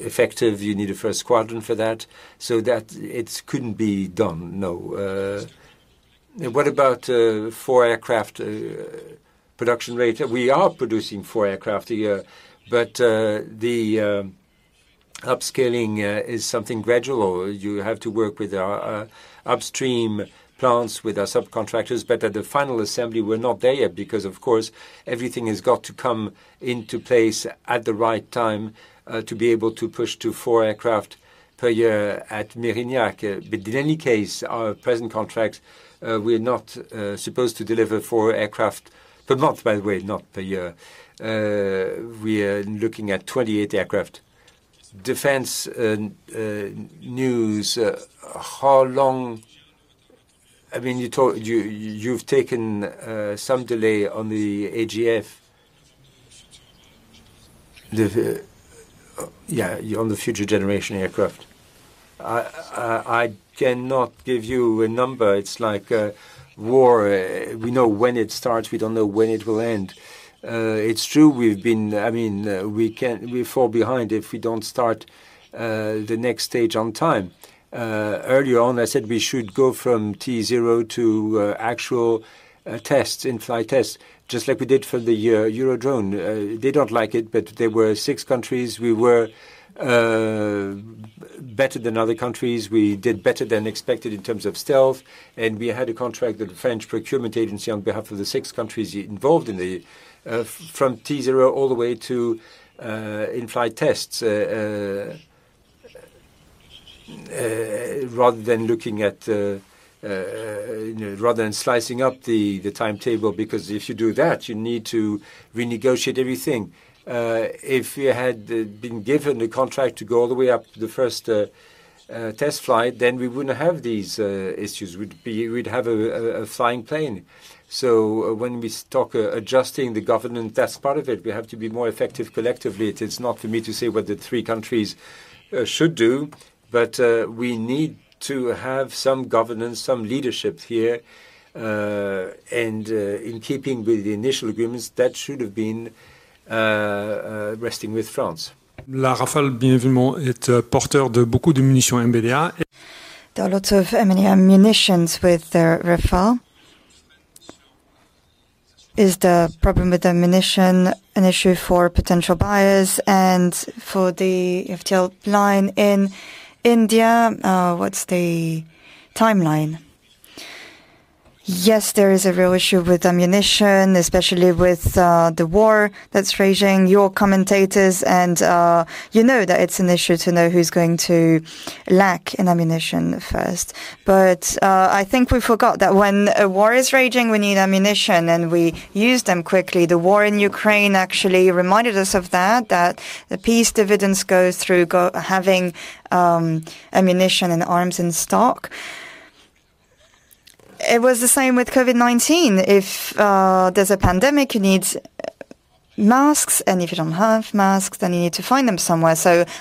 effective, you need a first squadron for that. It's couldn't be done, no. What about four aircraft production rate? We are producing four aircraft a year, but the upscaling is something gradual. You have to work with our upstream plants, with our subcontractors, but at the final assembly, we're not there yet because, of course, everything has got to come into place at the right time to be able to push to four aircraft per year at Mérignac. In any case, our present contracts, we're not supposed to deliver four aircraft per month, by the way, not per year. We are looking at 28 aircraft. Defense and News, I mean, you've taken some delay on the AGF. On the future generation aircraft. I cannot give you a number. It's like a war. We know when it starts, we don't know when it will end. It's true we've been we fall behind if we don't start the next stage on time. Earlier on, I said we should go from T0 to actual tests, in-flight tests, just like we did for the Eurodrone. They don't like it, there were six countries. We were better than other countries. We did better than expected in terms of stealth, we had a contract with the French Procurement Agency on behalf of the six countries involved in it. From T0 all the way to in-flight tests, rather than looking at, you know, rather than slicing up the timetable, because if you do that, you need to renegotiate everything. If we had been given the contract to go all the way up to the first test flight, then we wouldn't have these issues. We'd have a flying plane. When we talk adjusting the governance, that's part of it. We have to be more effective collectively. It is not for me to say what the three countries should do, but we need to have some governance, some leadership here. In keeping with the initial agreements, that should have been resting with France. There are lots of M&M munitions with the Rafale. Is the problem with ammunition an issue for potential buyers and for the FTL line in India? What's the timeline? There is a real issue with ammunition, especially with the war that's raging. Your commentators and you know that it's an issue to know who's going to lack in ammunition first. I think we forgot that when a war is raging, we need ammunition, and we use them quickly. The war in Ukraine actually reminded us of that the peace dividends go through having ammunition and arms in stock. It was the same with COVID-19. If there's a pandemic, you need masks, and if you don't have masks, then you need to find them somewhere.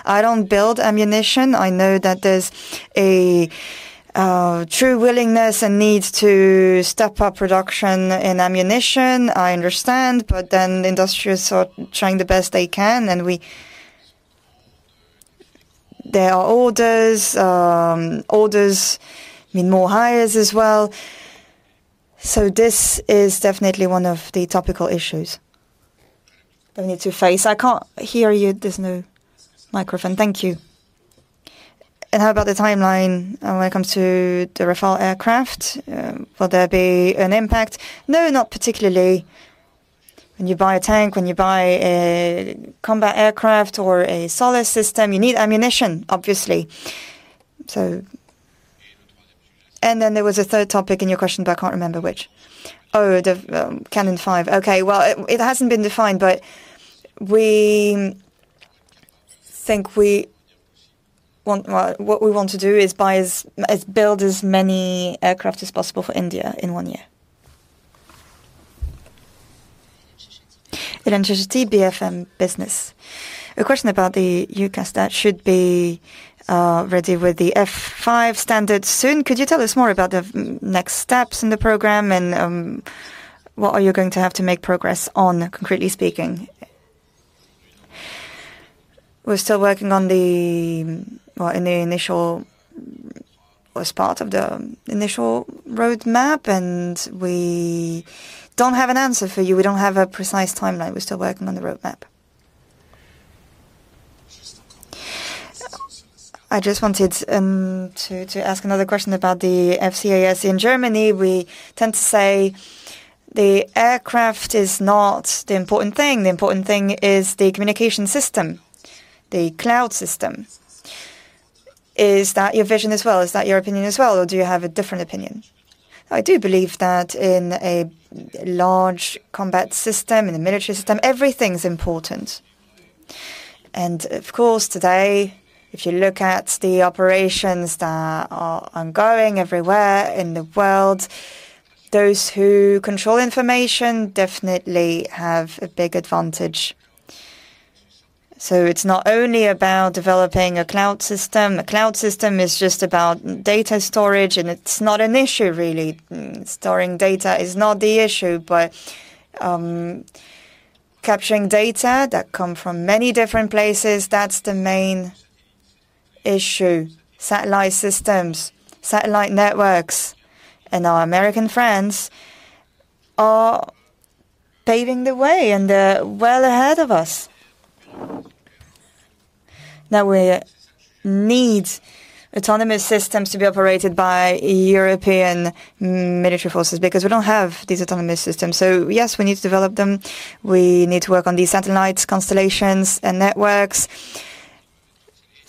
I don't build ammunition. I know that there's a true willingness and need to step up production in ammunition. I understand, but then the industrials are trying the best they can, There are orders mean more hires as well. This is definitely one of the topical issues that we need to face. I can't hear you. There's no microphone. Thank you. How about the timeline when it comes to the Rafale aircraft? Will there be an impact? No, not particularly. When you buy a tank, when you buy a combat aircraft or a solar system, you need ammunition, obviously. There was a third topic in your question, but I can't remember which. Oh, the Rafale F5. Okay. Well, it hasn't been defined, we think we want... Well, what we want to do is buy as build as many aircraft as possible for India in 1 year. Eléonore de Lacharrière, BFM Business. A question about the UCAS that should be ready with the F5 standard soon. Could you tell us more about the next steps in the program and what are you going to have to make progress on, concretely speaking? We're still working on. Well, was part of the initial roadmap, and we don't have an answer for you. We don't have a precise timeline. We're still working on the roadmap. I just wanted to ask another question about the FCAS. In Germany, we tend to say the aircraft is not the important thing. The important thing is the communication system, the cloud system. Is that your vision as well? Is that your opinion as well? Do you have a different opinion? I do believe that in a large combat system, in a military system, everything's important. Of course, today, if you look at the operations that are ongoing everywhere in the world, those who control information definitely have a big advantage. It's not only about developing a cloud system. A cloud system is just about data storage, and it's not an issue really. Storing data is not the issue, capturing data that come from many different places, that's the main issue. Satellite systems, satellite networks, and our American friends are paving the way and they're well ahead of us. Now we need autonomous systems to be operated by European military forces because we don't have these autonomous systems. Yes, we need to develop them. We need to work on these satellites, constellations and networks.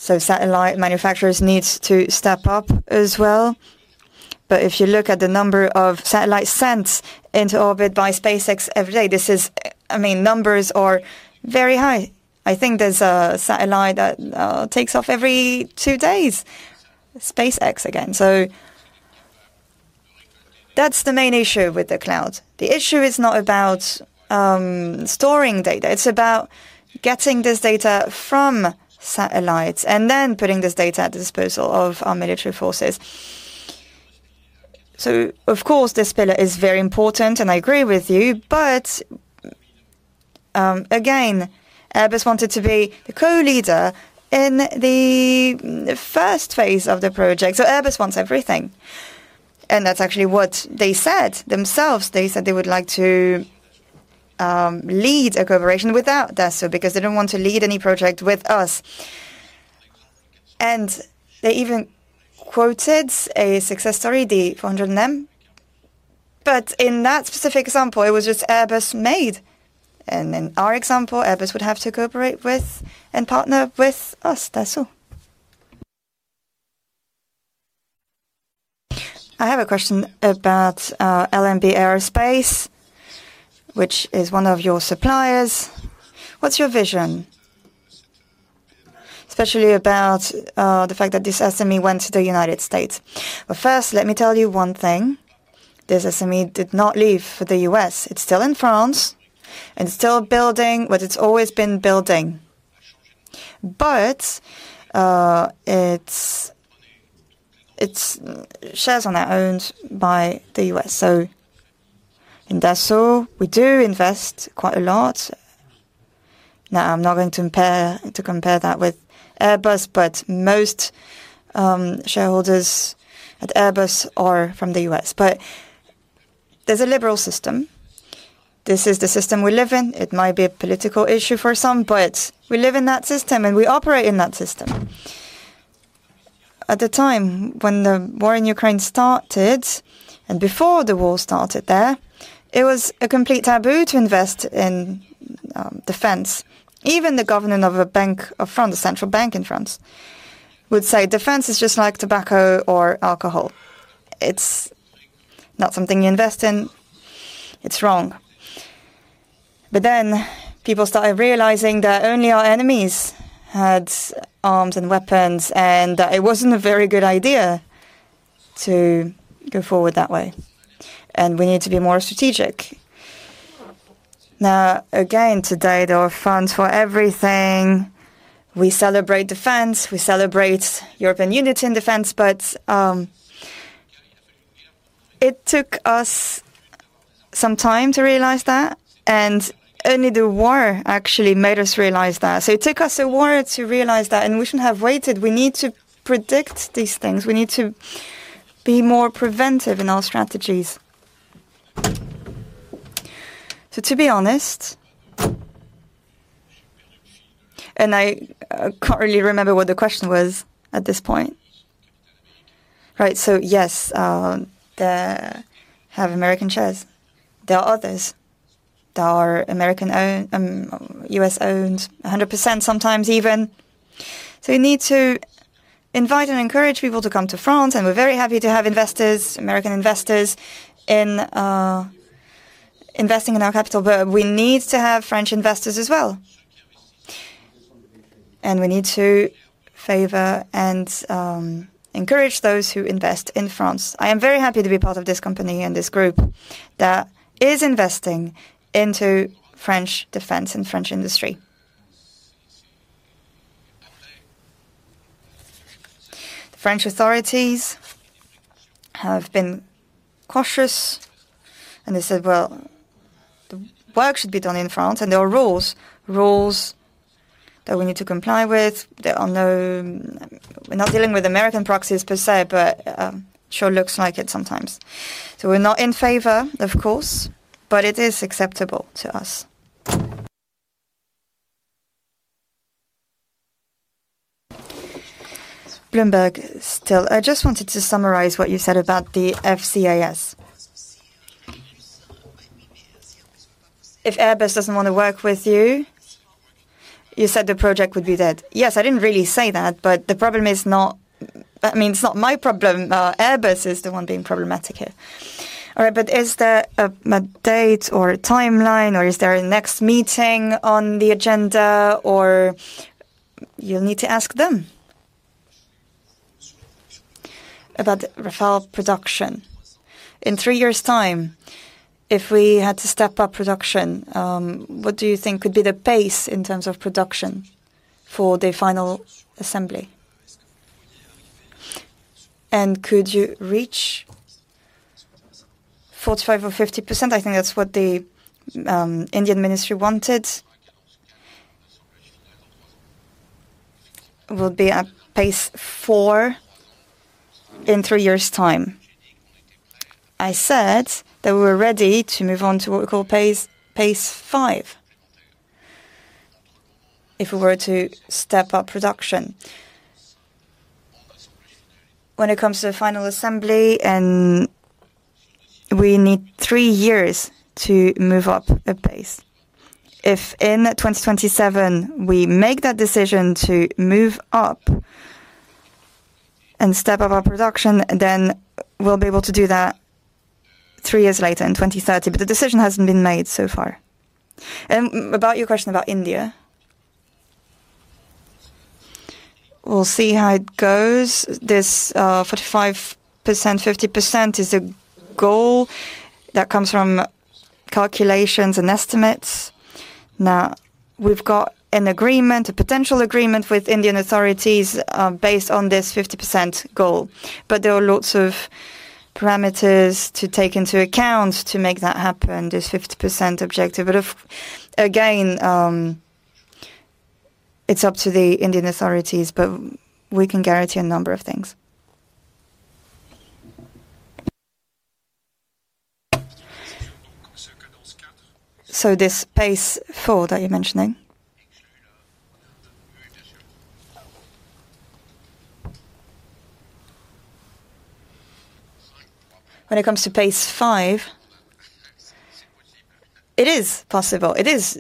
Satellite manufacturers need to step up as well. If you look at the number of satellites sent into orbit by SpaceX every day, this is... I mean, numbers are very high. I think there's a satellite that takes off every two Days, SpaceX again. That's the main issue with the cloud. The issue is not about storing data. It's about getting this data from satellites and then putting this data at the disposal of our military forces. Of course, this pillar is very important, and I agree with you. Again, Airbus wanted to be the co-leader in the 1st phase of the project. Airbus wants everything. That's actually what they said themselves. They said they would like to lead a cooperation without Dassault, because they don't want to lead any project with us. They even quoted a success story, the 400M. In that specific example, it was just Airbus made. In our example, Airbus would have to cooperate with and partner with us, Dassault. I have a question about LMB Aerospace, which is one of your suppliers. What's your vision? Especially about the fact that this SME went to the United States. Well, first, let me tell you one thing. This SME did not leave for the U.S. It's still in France, and it's still building what it's always been building. Its shares are now owned by the U.S. In Dassault, we do invest quite a lot. Now, I'm not going to compare that with Airbus, but most shareholders at Airbus are from the U.S. There's a liberal system. This is the system we live in. It might be a political issue for some, but we live in that system and we operate in that system. At the time when the war in Ukraine started, before the war started there, it was a complete taboo to invest in defense. Even the government of a Bank of France, the central bank in France, would say, "Defense is just like tobacco or alcohol. It's not something you invest in. It's wrong." People started realizing that only our enemies had arms and weapons, and that it wasn't a very good idea to go forward that way, and we need to be more strategic. Again, today, there are funds for everything. We celebrate defense, we celebrate European unity and defense, it took us some time to realize that, and only the war actually made us realize that. It took us a war to realize that, and we shouldn't have waited. We need to predict these things. We need to be more preventive in our strategies. To be honest, I can't really remember what the question was at this point. Right. Yes, they have American shares. There are others that are U.S.-owned, 100% sometimes even. We need to invite and encourage people to come to France, and we're very happy to have investors, American investors in investing in our capital. We need to have French investors as well. We need to favor and encourage those who invest in France. I am very happy to be part of this company and this group that is investing into French defense and French industry. The French authorities have been cautious, and they said, "Well, the work should be done in France," and there are rules that we need to comply with. There are no... We're not dealing with American proxies per se, sure looks like it sometimes. We're not in favor, of course, but it is acceptable to us. Bloomberg still. I just wanted to summarize what you said about the FCAS. If Airbus doesn't wanna work with you said the project would be dead. Yes. I didn't really say that, but it's not my problem. Airbus is the one being problematic here. Is there a date or a timeline, or is there a next meeting on the agenda? You'll need to ask them. About Rafale production. In 3 years' time, if we had to step up production, what do you think would be the pace in terms of production for the final assembly? Could you reach 45% or 50%? I think that's what the Indian Ministry wanted. Will be at pace four in 3 years' time. I said that we're ready to move on to what we call pace five if we were to step up production. When it comes to the final assembly and we need 3 years to move up a pace. If in 2027 we make that decision to move up and step up our production, then we'll be able to do that 3 years later in 2030. The decision hasn't been made so far. About your question about India. We'll see how it goes. This 45%, 50% is a goal that comes from calculations and estimates. We've got an agreement, a potential agreement with Indian authorities, based on this 50% goal, there are lots of parameters to take into account to make that happen, this 50% objective. Again, it's up to the Indian authorities, we can guarantee a number of things. This pace four that you're mentioning. When it comes to pace five, it is possible. It is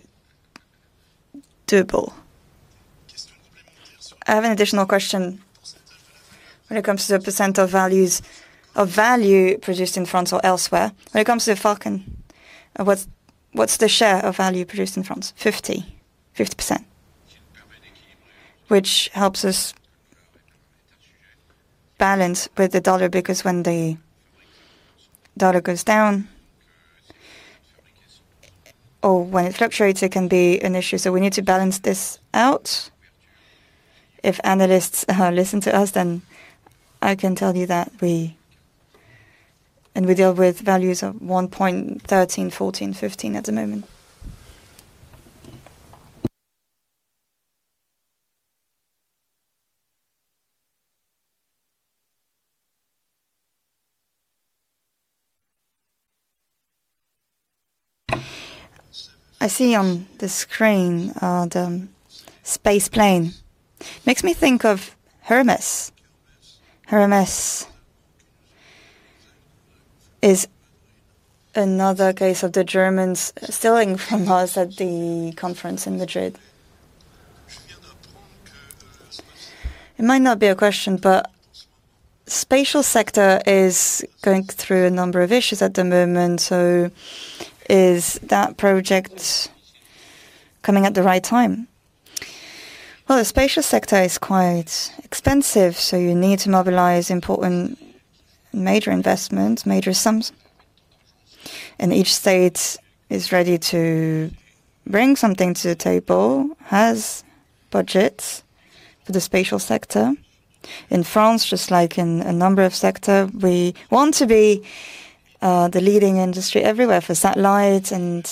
doable. I have an additional question. When it comes to the % of values, of value produced in France or elsewhere, when it comes to Falcon, what's the share of value produced in France? 50. 50%. Which helps us balance with the dollar because when the dollar goes down or when it fluctuates, it can be an issue, we need to balance this out. If analysts listen to us, I can tell you that we deal with values of 1.13, 1.14, 1.15 at the moment. I see on the screen the space plane. Makes me think of Hermes. Hermes is another case of the Germans stealing from us at the conference in Madrid. It might not be a question, spatial sector is going through a number of issues at the moment, is that project coming at the right time? The spatial sector is quite expensive, you need to mobilize important major investments, major sums, and each state is ready to bring something to the table, has budgets for the spatial sector. In France, just like in a number of sector, we want to be the leading industry everywhere for satellites and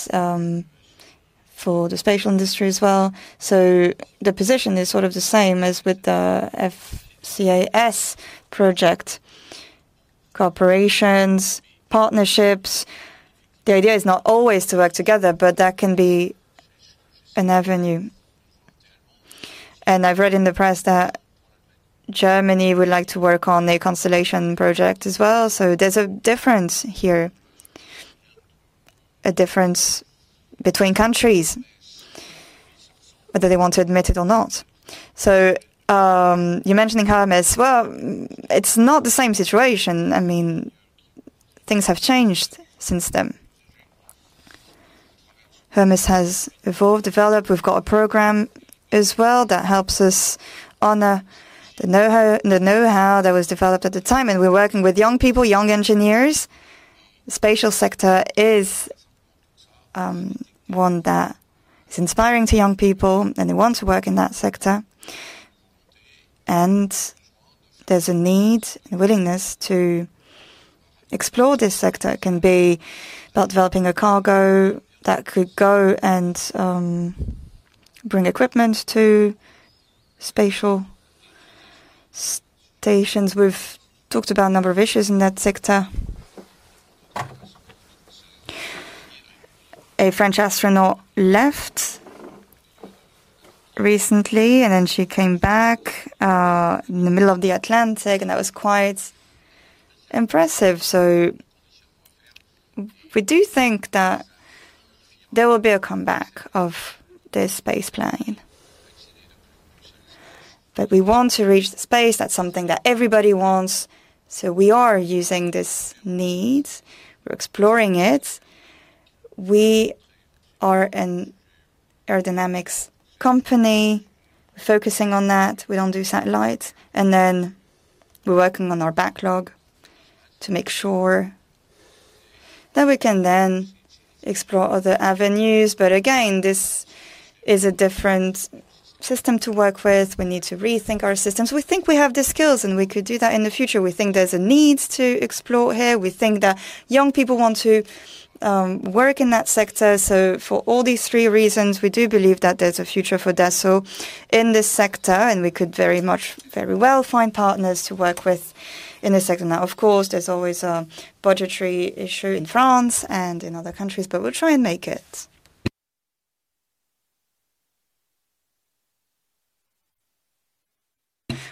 for the spatial industry as well. The position is sort of the same as with the FCAS project. Cooperations, partnerships, the idea is not always to work together, but that can be an avenue. I've read in the press that Germany would like to work on a constellation project as well. There's a difference here, a difference between countries, whether they want to admit it or not. You mentioning Hermes, well, it's not the same situation. I mean, things have changed since then. Hermes has evolved, developed. We've got a program as well that helps us honor the knowhow, the knowhow that was developed at the time, and we're working with young people, young engineers. The spatial sector is one that is inspiring to young people, and they want to work in that sector, and there's a need and willingness to explore this sector. It can be about developing a cargo that could go and bring equipment to space stations. We've talked about a number of issues in that sector. A French astronaut left recently, and then she came back in the middle of the Atlantic, and that was quite impressive. We do think that there will be a comeback of the spaceplane. We want to reach the space. That's something that everybody wants. We are using this need. We're exploring it. We are an aerodynamics company focusing on that. We don't do satellites. We're working on our backlog to make sure that we can then explore other avenues. Again, this is a different system to work with. We need to rethink our systems. We think we have the skills, and we could do that in the future. We think there's a need to explore here. We think that young people want to work in that sector. For all these three reasons, we do believe that there's a future for Dassault in this sector, and we could very much, very well find partners to work with in this sector. Of course, there's always a budgetary issue in France and in other countries, but we'll try and make it.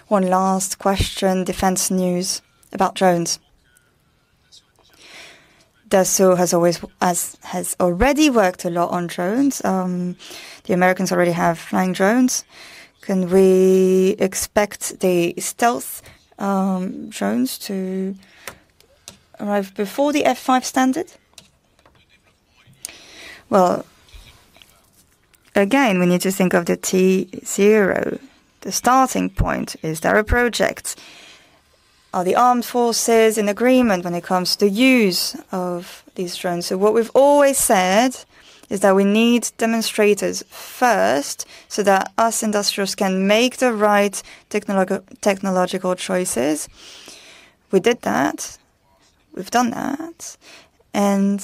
One last question, Defense News, about drones. Dassault has already worked a lot on drones. The Americans already have flying drones. Can we expect the stealth drones to arrive before the F-5 standard? Again, we need to think of the T0. The starting point, is there a project? Are the armed forces in agreement when it comes to use of these drones? What we've always said is that we need demonstrators first so that us industrials can make the right technological choices. We did that. We've done that, and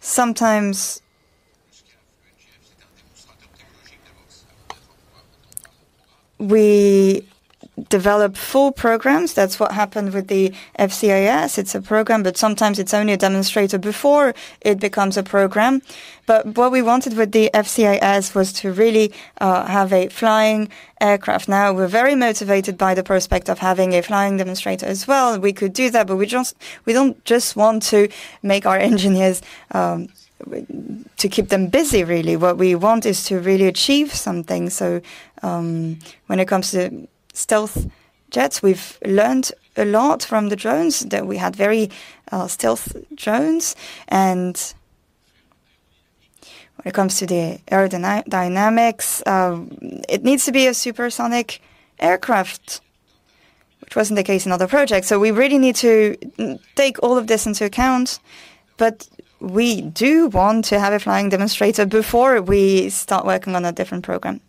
sometimes we develop full programs. That's what happened with the FCAS. It's a program, but sometimes it's only a demonstrator before it becomes a program. What we wanted with the FCAS was to really have a flying aircraft. We're very motivated by the prospect of having a flying demonstrator as well. We could do that, but we don't just want to make our engineers to keep them busy, really. What we want is to really achieve something. When it comes to stealth jets, we've learned a lot from the drones that we had very stealth drones. When it comes to the dynamics, it needs to be a supersonic aircraft, which wasn't the case in other projects. We really need to take all of this into account, but we do want to have a flying demonstrator before we start working on a different program.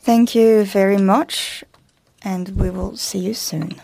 Thank you very much. We will see you soon.